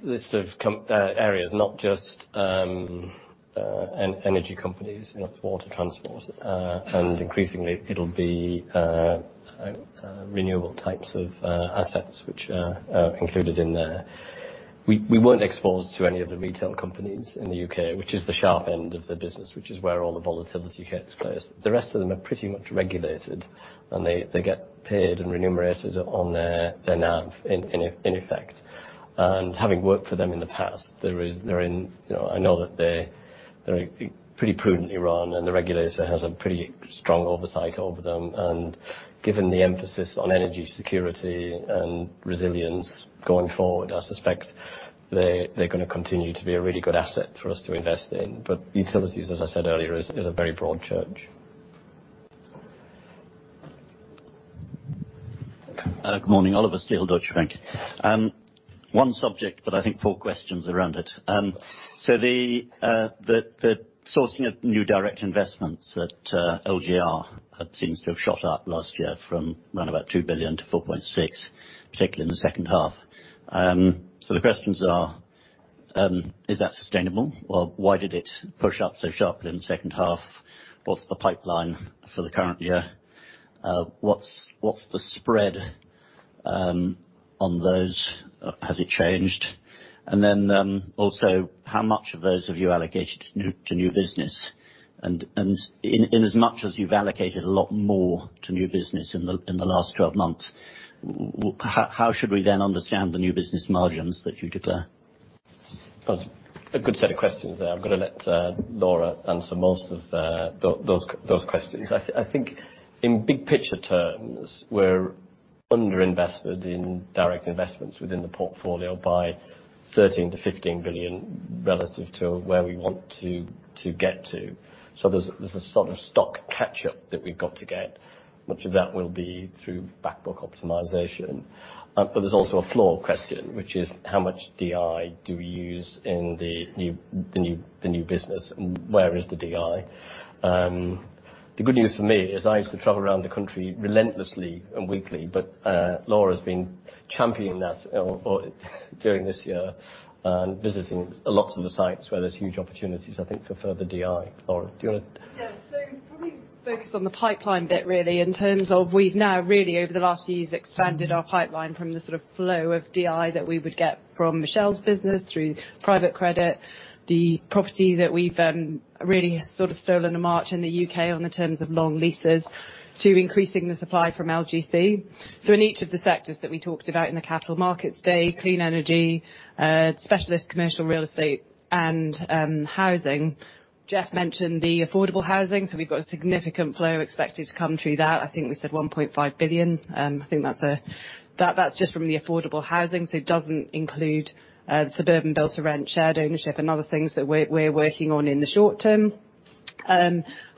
list of areas, not just energy companies, not water transport. And increasingly, it'll be renewable types of assets which are included in there. We weren't exposed to any of the retail companies in the UK, which is the sharp end of the business, which is where all the volatility takes place. The rest of them are pretty much regulated, and they get paid and remunerated on their NAV, in effect. And having worked for them in the past, I know that they're pretty prudently run, and the regulator has a pretty strong oversight over them. And given the emphasis on energy security and resilience going forward, I suspect they're going to continue to be a really good asset for us to invest in. But utilities, as I said earlier, is a very broad church. Good morning. Oliver Steel, Deutsche Bank. One subject, but I think four questions around it. So, the sourcing of new direct investments at LGR seems to have shot up last year from around 2 billion-4.6 billion, particularly in the second half. So the questions are: is that sustainable or why did it push up so sharply in the second half? What's the pipeline for the current year? What's the spread on those? Has it changed? And then also how much of those have you allocated to new business? And inasmuch as you've allocated a lot more to new business in the last 12 months, how should we then understand the new business margins that you declare? That's a good set of questions there. I'm gonna let Laura answer most of those questions. I think in big picture terms, we're under-invested in direct investments within the portfolio by 13 billion-15 billion relative to where we want to get to. There's a sort of stock catch-up that we've got to get. Much of that will be through back book optimization. There's also a floor question, which is how much DI do we use in the new business, and where is the DI? The good news for me is I used to travel around the country relentlessly and weekly. Laura's been championing that during this year, and visiting lots of the sites where there's huge opportunities, I think, for further DI. Laura, do you wanna- I'm focused on the pipeline bit, really, in terms of we've now really over the last few years expanded our pipeline from the sort of flow of DI that we would get from Michelle's business through private credit, the property that we've really sort of stolen a march in the UK on the terms of long leases to increasing the supply from LGC. In each of the sectors that we talked about in the capital markets day, clean energy, specialist commercial real estate and housing. Jeff mentioned the affordable housing, so we've got a significant flow expected to come through that. I think we said 1.5 billion. I think that's just from the affordable housing, so it doesn't include suburban build to rent, shared ownership and other things that we're working on in the short term.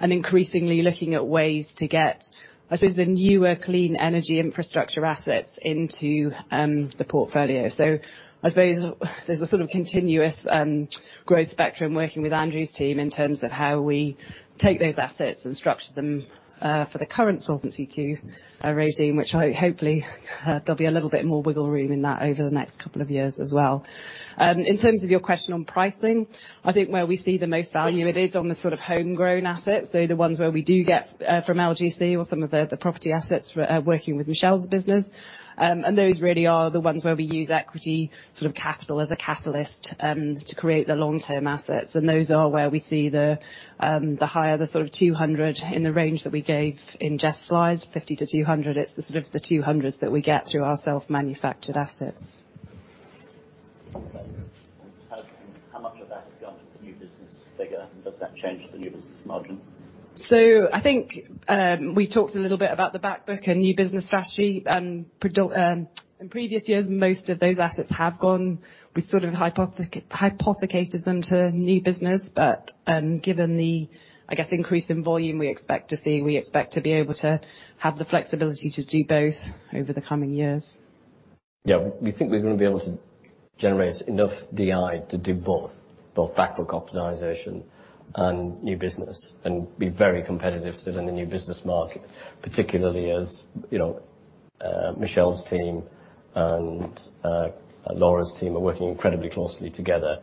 Increasingly looking at ways to get, I suppose, the newer clean energy infrastructure assets into the portfolio. I suppose there's a sort of continuous growth spectrum working with Andrew's team in terms of how we take those assets and structure them for the current Solvency II regime, which I hopefully there'll be a little bit more wiggle room in that over the next couple of years as well. In terms of your question on pricing, I think where we see the most value it is on the sort of homegrown assets. The ones where we do get from LGC or some of the property assets for working with Michelle's business. Those really are the ones where we use equity sort of capital as a catalyst to create the long-term assets. Those are where we see the higher, sort of 200 in the range that we gave in Jeff's slides, 50-200. It's the sort of 200s that we get through our self-manufactured assets. How much of that is going to the new business figure? Does that change the new business margin? I think we talked a little bit about the back book and new business strategy in previous years. Most of those assets have gone. We sort of hypothecated them to new business. Given the, I guess, increase in volume we expect to see, we expect to be able to have the flexibility to do both over the coming years. Yeah, we think we're gonna be able to generate enough DI to do both. Both back book optimization and new business and be very competitive within the new business market, particularly as, you know, Michelle's team and Laura's team are working incredibly closely together,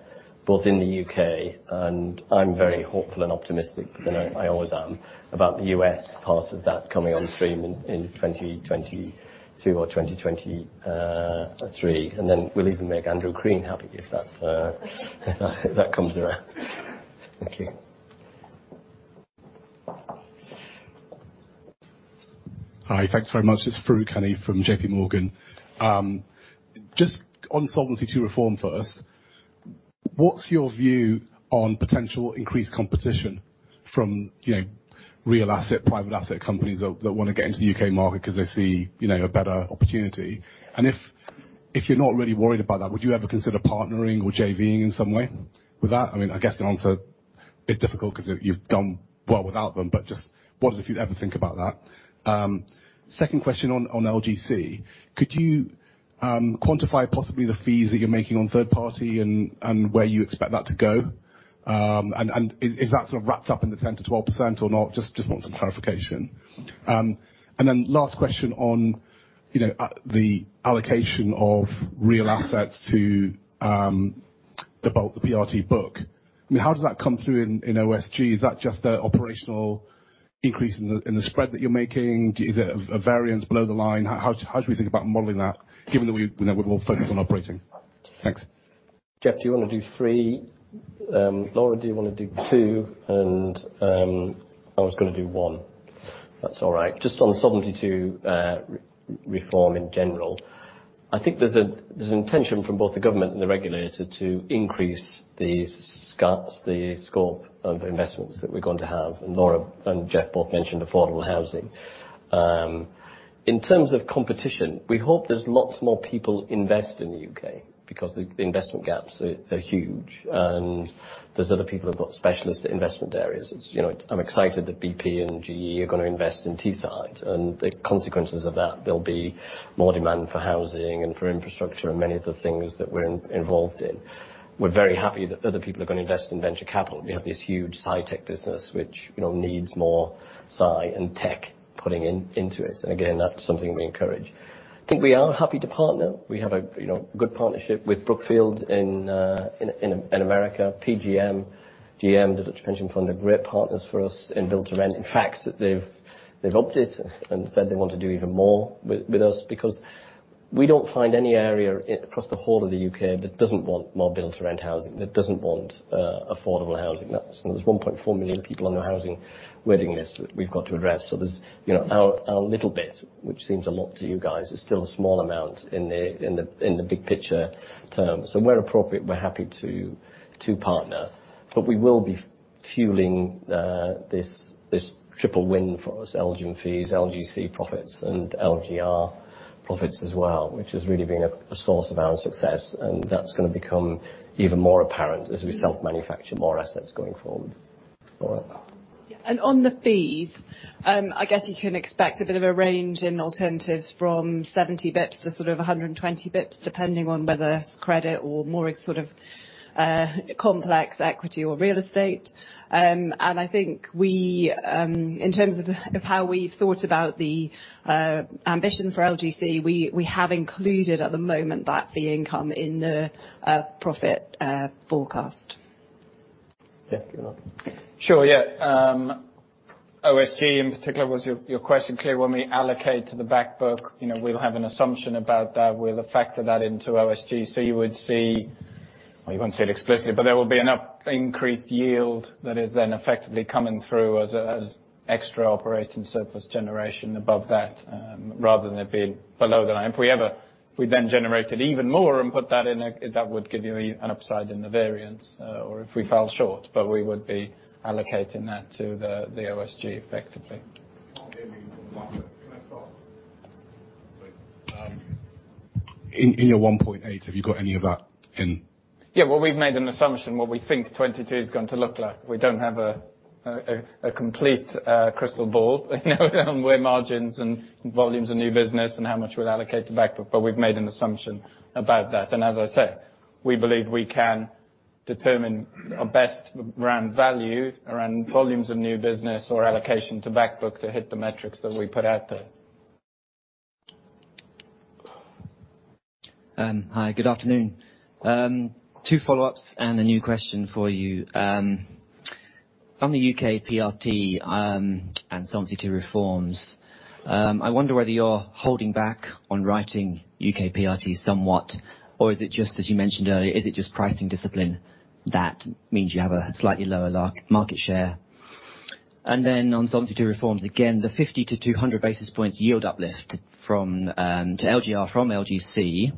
both in the U.K. and I'm very hopeful and optimistic, but I always am about the U.S. part of that coming on stream in 2022 or 2023. Then we'll even make Andrew Crean happy if that comes around. Thank you. Hi. Thanks very much. It's Farooq Hanif from J.P. Morgan. Just on Solvency II reform first. What's your view on potential increased competition from, you know, real asset, private asset companies that want to get into the UK market 'cause they see, you know, a better opportunity? If you're not really worried about that, would you ever consider partnering or JV-ing in some way with that? I mean, I guess the answer is a bit difficult 'cause you've done well without them. Just wondered if you'd ever think about that. Second question on LGC. Could you quantify possibly the fees that you're making on third party and where you expect that to go? Is that sort of wrapped up in the 10%-12% or not? Just want some clarification. Last question on, you know, the allocation of real assets to the PRT book. I mean, how does that come through in OSG? Is that just an operational increase in the spread that you're making? Is it a variance below the line? How should we think about modeling that given that we're more focused on operating? Thanks. Jeff, do you wanna do three? Laura, do you wanna do two? I was gonna do one, if that's all right. Just on Solvency II, reform in general. I think there's intention from both the government and the regulator to increase the scope of investments that we're going to have. Laura and Jeff both mentioned affordable housing. In terms of competition, we hope there's lots more people invest in the UK because the investment gaps are huge. There's other people who've got specialist investment areas. It's, you know, I'm excited that BP and GE are gonna invest in Teesside, and the consequences of that, there'll be more demand for housing and for infrastructure and many of the things that we're involved in. We're very happy that other people are gonna invest in venture capital. We have this huge sci-tech business which, you know, needs more sci and tech putting in, into it. Again, that's something we encourage. I think we are happy to partner. We have a, you know, good partnership with Brookfield in America. PGGM, the pension fund are great partners for us in build to rent. In fact, they've upped it and said they want to do even more with us because we don't find any area across the whole of the U.K. that doesn't want more build to rent housing, that doesn't want affordable housing. That's. There's 1.4 million people on the housing waiting list that we've got to address. There's, you know, our little bit, which seems a lot to you guys, is still a small amount in the big picture terms. Where appropriate, we're happy to partner. We will be fueling this triple win for us, LGIM fees, LGC profits and LGR profits as well, which has really been a source of our success. That's gonna become even more apparent as we self-manufacture more assets going forward. Laura. Yeah. On the fees, I guess you can expect a bit of a range in alternatives from 70 basis points to sort of 120 basis points, depending on whether it's credit or more sort of complex equity or real estate. I think, in terms of how we've thought about the ambition for LGC, we have included at the moment that fee income in the profit forecast. Jeff, you're on. Sure, yeah. OSG in particular was your question. Clearly, when we allocate to the back book, you know, we'll have an assumption about that. We'll factor that into OSG, so you would see. Well, you won't see it explicitly, but there will be an increased yield that is then effectively coming through as extra operating surplus generation above that, rather than it being below the line. If we then generated even more, that would give you an upside in the variance, or if we fell short. We would be allocating that to the OSG effectively. In your 1.8, have you got any of that in? Well, we've made an assumption about what we think 2022 is going to look like. We don't have a complete crystal ball, you know, on where margins and volumes of new business and how much we'll allocate to back book, but we've made an assumption about that. As I say, we believe we can do our best around value, around volumes of new business or allocation to back book to hit the metrics that we put out there. Hi, good afternoon. Two follow-ups and a new question for you. On the UK PRT and Solvency II reforms, I wonder whether you're holding back on writing UK PRT somewhat, or is it just as you mentioned earlier, is it just pricing discipline that means you have a slightly lower L&G market share? On Solvency II reforms, again, the 50-200 basis points yield uplift from LGC to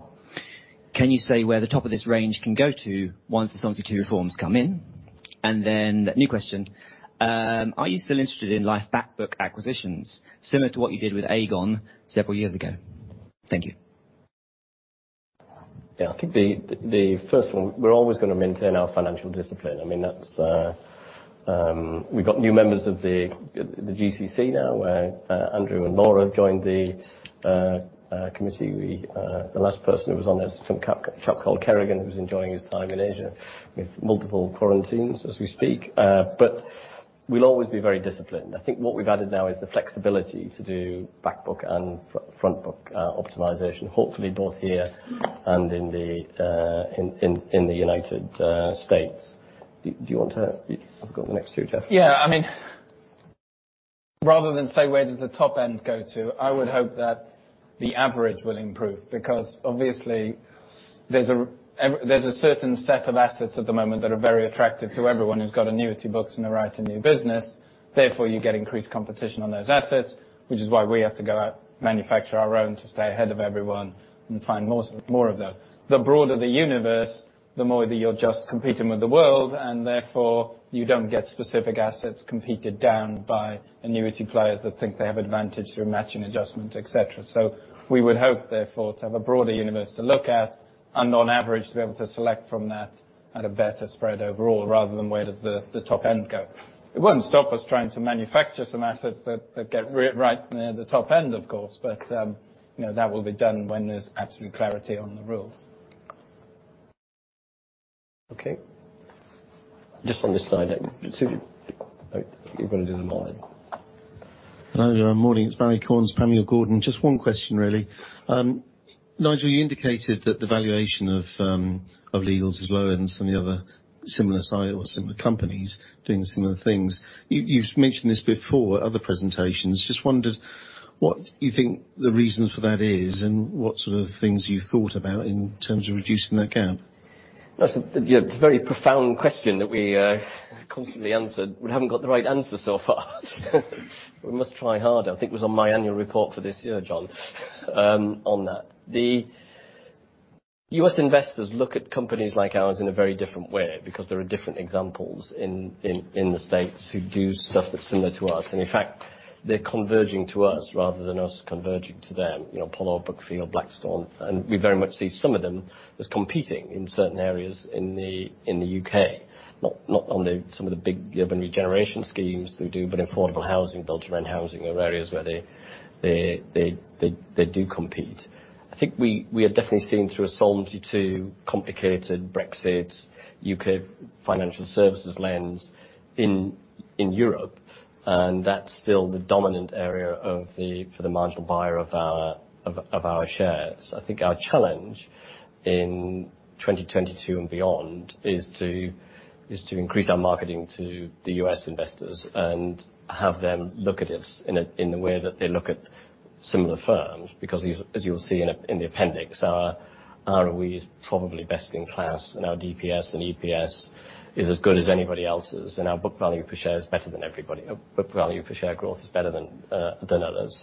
LGR. Can you say where the top of this range can go to once the Solvency II reforms come in? New question, are you still interested in life back book acquisitions similar to what you did with Aegon several years ago? Thank you. Yeah, I think the first one, we're always gonna maintain our financial discipline. I mean, we've got new members of the GCC now, where Andrew and Laura joined the committee. The last person who was on there, some chap called Kerrigan, who's enjoying his time in Asia with multiple quarantines as we speak. We'll always be very disciplined. I think what we've added now is the flexibility to do back book and front book optimization, hopefully both here and in the United States. Do you want to? I've got the next two, Jeff. Yeah. I mean, rather than say where does the top end go to, I would hope that the average will improve. Because obviously there's a certain set of assets at the moment that are very attractive to everyone who's got annuity books and they're writing new business. Therefore, you get increased competition on those assets, which is why we have to go out, manufacture our own to stay ahead of everyone and find more of those. The broader the universe, the more that you're just competing with the world, and therefore you don't get specific assets competed down by annuity players that think they have advantage through Matching Adjustment, et cetera. We would hope, therefore, to have a broader universe to look at and on average, to be able to select from that at a better spread overall, rather than where does the top end go. It wouldn't stop us trying to manufacture some assets that get right near the top end, of course, but you know, that will be done when there's absolute clarity on the rules. Okay. Just on this side. Oh, you wanna do them all then. Hello, good morning. It's Barrie Cornes, Panmure Gordon. Just one question really. Nigel, you indicated that the valuation of Legal's is lower than some of the other similar size or similar companies doing similar things. You've mentioned this before at other presentations. Just wondered what you think the reason for that is, and what sort of things you've thought about in terms of reducing that gap? That's a very profound question that we constantly answered. We haven't got the right answer so far. We must try harder. I think it was on my annual report for this year, John, on that. The U.S. investors look at companies like ours in a very different way because there are different examples in the States who do stuff that's similar to us. In fact, they're converging to us rather than us converging to them. You know, Apollo, Brookfield, Blackstone. We very much see some of them as competing in certain areas in the U.K. Not on some of the big urban regeneration schemes they do, but affordable housing, built to rent housing are areas where they do compete. I think we are definitely seeing through a Solvency II complicated Brexit, U.K. financial services lens in Europe, and that's still the dominant area for the marginal buyer of our shares. I think our challenge in 2022 and beyond is to increase our marketing to the U.S. investors and have them look at us in the way that they look at similar firms. Because as you'll see in the appendix, our ROE is probably best in class, and our DPS and EPS is as good as anybody else's, and our book value per share is better than everybody. Our book value per share growth is better than others.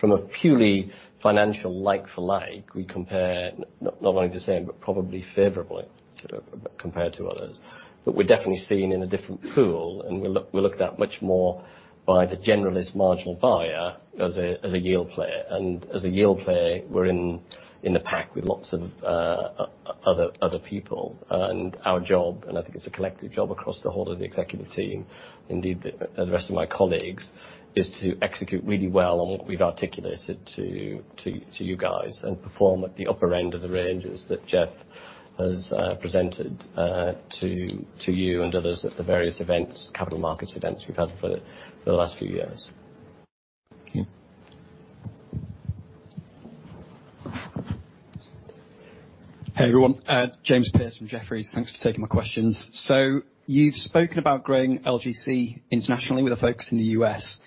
From a purely financial like for like, we compare not only the same, but probably favorably compared to others. We're definitely seen in a different pool, and we're looked at much more by the generalist marginal buyer as a yield player. As a yield player, we're in the pack with lots of other people. Our job, and I think it's a collective job across the whole of the executive team, indeed the rest of my colleagues, is to execute really well on what we've articulated to you guys. Perform at the upper end of the ranges that Jeff has presented to you and others at the various events, capital markets events we've had for the last few years. Hey, everyone. James Pearse from Jefferies. Thanks for taking my questions. You've spoken about growing LGC internationally with a focus in the U.S.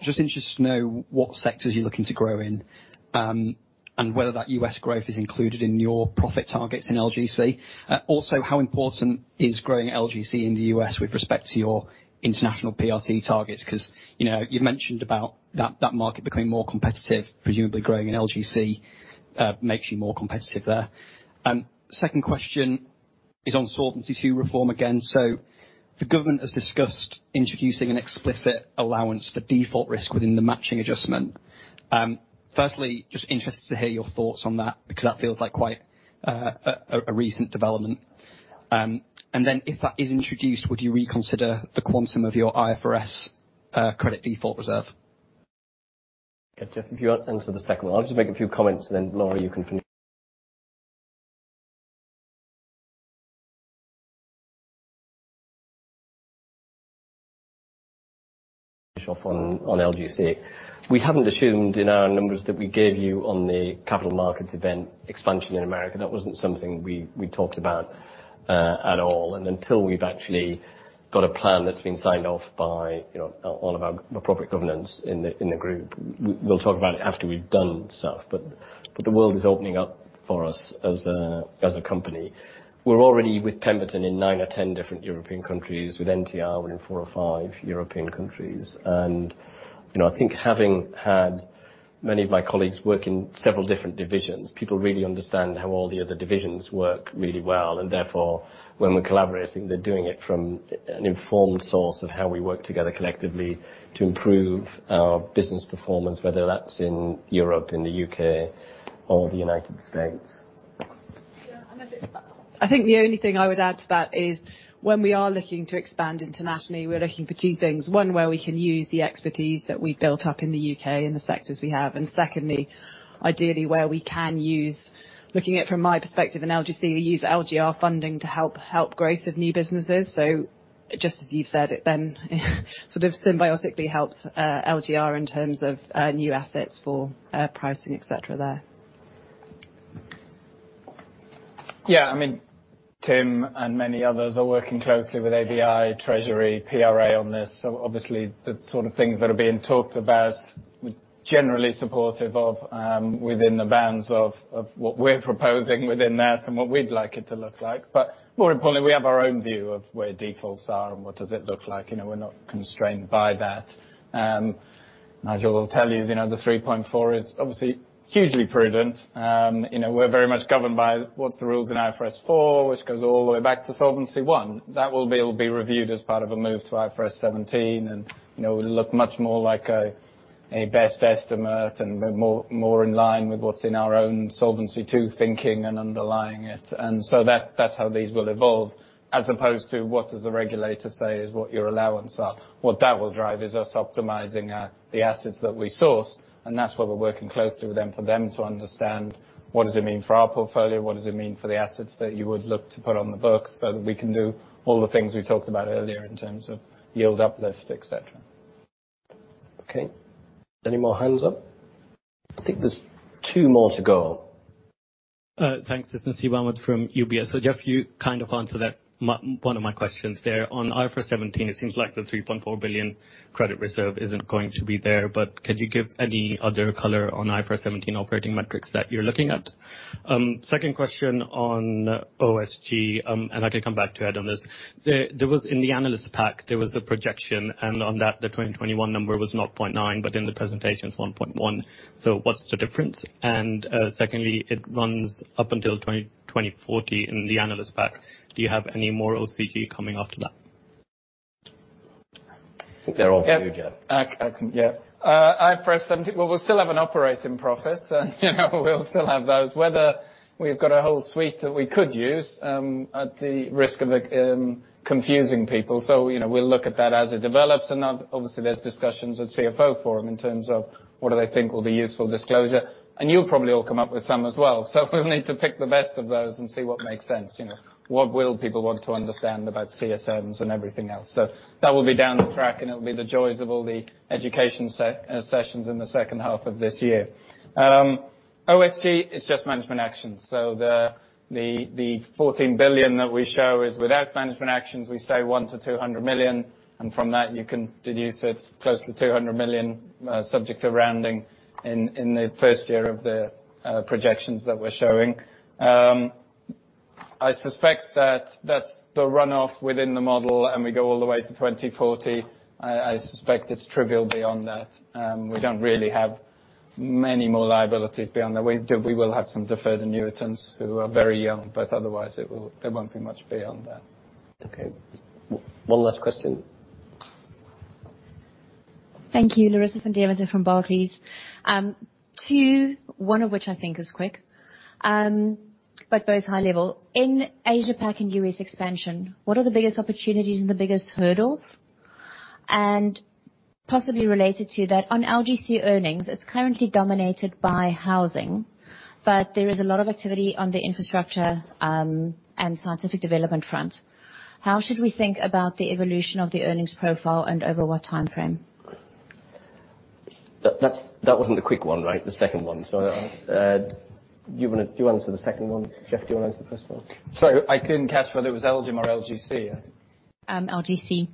Just interested to know what sectors you're looking to grow in, and whether that U.S. growth is included in your profit targets in LGC. Also, how important is growing LGC in the U.S. with respect to your international PRT targets? 'Cause, you know, you've mentioned about that market becoming more competitive, presumably growing in LGC makes you more competitive there. Second question is on Solvency II reform again. The government has discussed introducing an explicit allowance for default risk within the matching adjustment. Firstly, just interested to hear your thoughts on that because that feels like quite a recent development. If that is introduced, would you reconsider the quantum of your IFRS credit default reserve? Okay. If you want to answer the second one. I'll just make a few comments, and then Laura, you can finish off on LGC. We haven't assumed in our numbers that we gave you on the capital markets event expansion in America. That wasn't something we talked about at all. Until we've actually got a plan that's been signed off by, you know, all of our appropriate governance in the group, we'll talk about it after we've done stuff. The world is opening up for us as a company. We're already with Pemberton in nine or 10 different European countries. With NTR, we're in four or five European countries. You know, I think having had many of my colleagues work in several different divisions, people really understand how all the other divisions work really well. When we're collaborating, they're doing it from an informed source of how we work together collectively to improve our business performance, whether that's in Europe, in the U.K. or the United States. Yeah. I think the only thing I would add to that is when we are looking to expand internationally, we're looking for two things. One, where we can use the expertise that we built up in the UK in the sectors we have. Secondly, ideally where we can use. Looking at it from my perspective in LGC, we use LGR funding to help growth of new businesses. Just as you've said, it then sort of symbiotically helps LGR in terms of new assets for pricing, et cetera there. Yeah. I mean, Tim and many others are working closely with ABI, Treasury, PRA on this. Obviously the sort of things that are being talked about, we're generally supportive of, within the bounds of what we're proposing within that and what we'd like it to look like. More importantly, we have our own view of where defaults are and what does it look like, you know? We're not constrained by that. Nigel will tell you know, the 3.4 is obviously hugely prudent. You know, we're very much governed by what's the rules in IFRS 4, which goes all the way back to Solvency I. That will be reviewed as part of a move to IFRS 17, and, you know, it'll look much more like a best estimate and more in line with what's in our own Solvency II thinking and underlying it. That's how these will evolve, as opposed to what does the regulator say is what your allowance are. What that will drive is us optimizing the assets that we source, and that's what we're working closely with them, for them to understand what does it mean for our portfolio, what does it mean for the assets that you would look to put on the books, so that we can do all the things we talked about earlier in terms of yield uplift, et cetera. Okay, any more hands up? I think there's two more to go. Thanks. This is Siwan from UBS. Jeff, you kind of answered that one of my questions there. On IFRS 17, it seems like the 3.4 billion credit reserve isn't going to be there, but could you give any other color on IFRS 17 operating metrics that you're looking at? Second question on OSG, and I can come back to Ed on this. There was in the analyst pack a projection, and on that, the 2021 number was 0.9, but in the presentation it's 1.1. What's the difference? Secondly, it runs up until 2040 in the analyst pack. Do you have any more OSG coming after that? I think they're all for you, Jeff. Yeah. IFRS 17. Well, we'll still have an operating profit. You know, we'll still have those. Whether we've got a whole suite that we could use, at the risk of it, confusing people. You know, we'll look at that as it develops. Obviously there's discussions at CFO Forum in terms of what do they think will be useful disclosure. You'll probably all come up with some as well. We'll need to pick the best of those and see what makes sense. You know, what will people want to understand about CSMs and everything else. That will be down the track, and it'll be the joys of all the education sessions in the second half of this year. OSG is just management action. The 14 billion that we show is without management actions. We save 100 million-200 million, and from that you can deduce it's close to 200 million, subject to rounding in the first year of the projections that we're showing. I suspect that that's the runoff within the model, and we go all the way to 2040. I suspect it's trivial beyond that. We don't really have many more liabilities beyond that. We will have some deferred annuities who are very young, but otherwise there won't be much beyond that. Okay. One last question. Thank you. Larissa van Deventer from Barclays. Two, one of which I think is quick, but both high level. In Asia-Pac and U.S. expansion, what are the biggest opportunities and the biggest hurdles? Possibly related to that, on LGC earnings, it's currently dominated by housing, but there is a lot of activity on the infrastructure and scientific development front. How should we think about the evolution of the earnings profile and over what timeframe? That wasn't the quick one, right? The second one. You wanna answer the second one. Jeff, do you wanna answer the first one? Sorry, I couldn't catch whether it was LGIM or LGC. LGC.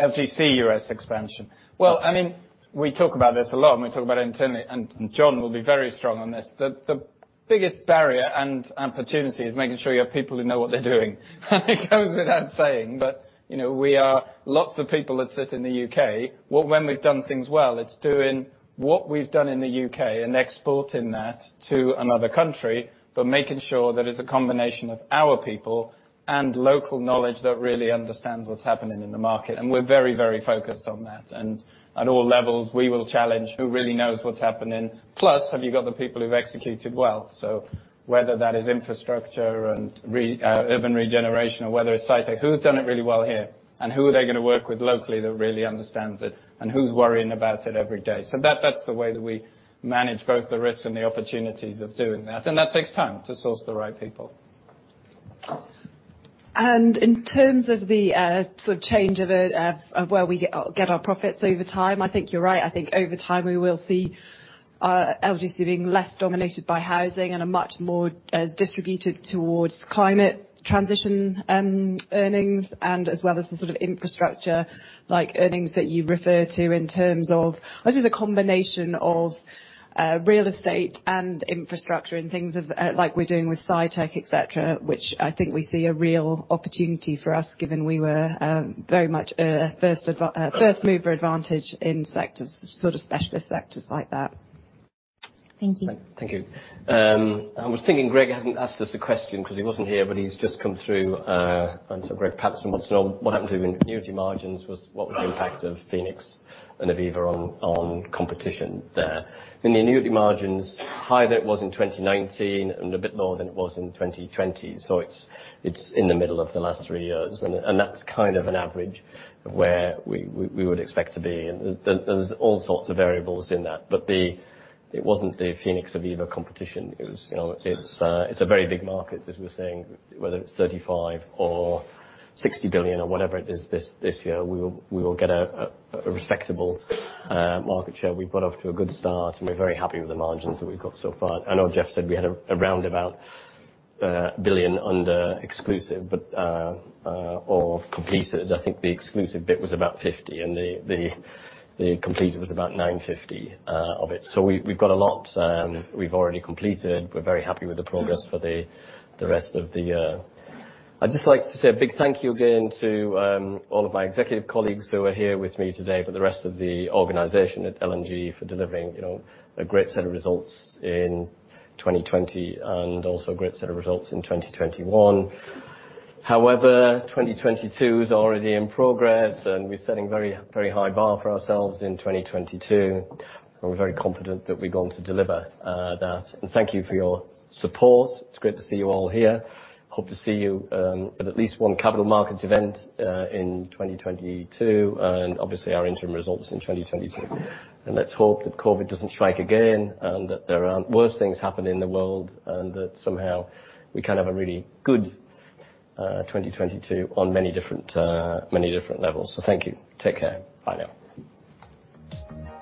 LGC U.S. expansion. Well, I mean, we talk about this a lot, and we talk about it internally, and John will be very strong on this. The biggest barrier and opportunity is making sure you have people who know what they're doing. It goes without saying, but you know, we've got lots of people that sit in the U.K. When we've done things well, it's doing what we've done in the U.K. and exporting that to another country, but making sure that it's a combination of our people and local knowledge that really understands what's happening in the market. We're very, very focused on that. At all levels we will challenge who really knows what's happening. Plus, have you got the people who've executed well? Whether that is infrastructure and urban regeneration or whether it's site, who's done it really well here, and who are they gonna work with locally that really understands it, and who's worrying about it every day? That's the way that we manage both the risks and the opportunities of doing that. That takes time to source the right people. In terms of the sort of change of where we get our profits over time, I think you're right. I think over time we will see LGC being less dominated by housing and a much more distributed towards climate transition earnings and as well as the sort of infrastructure like earnings that you refer to in terms of, I suppose, a combination of real estate and infrastructure and things like we're doing with SciTech, et cetera, which I think we see a real opportunity for us given we were very much a first mover advantage in sectors, sort of specialist sectors like that. Thank you. Thank you. I was thinking Greg hasn't asked us a question 'cause he wasn't here, but he's just come through. Greg Patterson wants to know what happened to annuity margins, was the impact of Phoenix and Aviva on competition there. The annuity margins higher than it was in 2019 and a bit more than it was in 2020. It's in the middle of the last three years and that's kind of an average of where we would expect to be. There, there's all sorts of variables in that. It wasn't the Phoenix Aviva competition. It was, you know, it's a very big market, as we were saying, whether it's 35 billion or 60 billion or whatever it is this year, we will get a respectable market share. We've got off to a good start, and we're very happy with the margins that we've got so far. I know Jeff said we had a roundabout 1 billion under exclusive or completed. I think the exclusive bit was about 50 million and the completed was about 950 million of it. So we've got a lot, we've already completed. We're very happy with the progress for the rest of the year. I'd just like to say a big thank you again to all of my executive colleagues who are here with me today, for the rest of the organization at L&G for delivering, you know, a great set of results in 2020, and also a great set of results in 2021. However, 2022 is already in progress, and we're setting a very, very high bar for ourselves in 2022, and we're very confident that we're going to deliver that. Thank you for your support. It's great to see you all here. I hope to see you at least one capital markets event in 2022, and obviously our interim results in 2022. Let's hope that COVID doesn't strike again, and that there aren't worse things happening in the world, and that somehow we can have a really good 2022 on many different levels. Thank you. Take care. Bye now.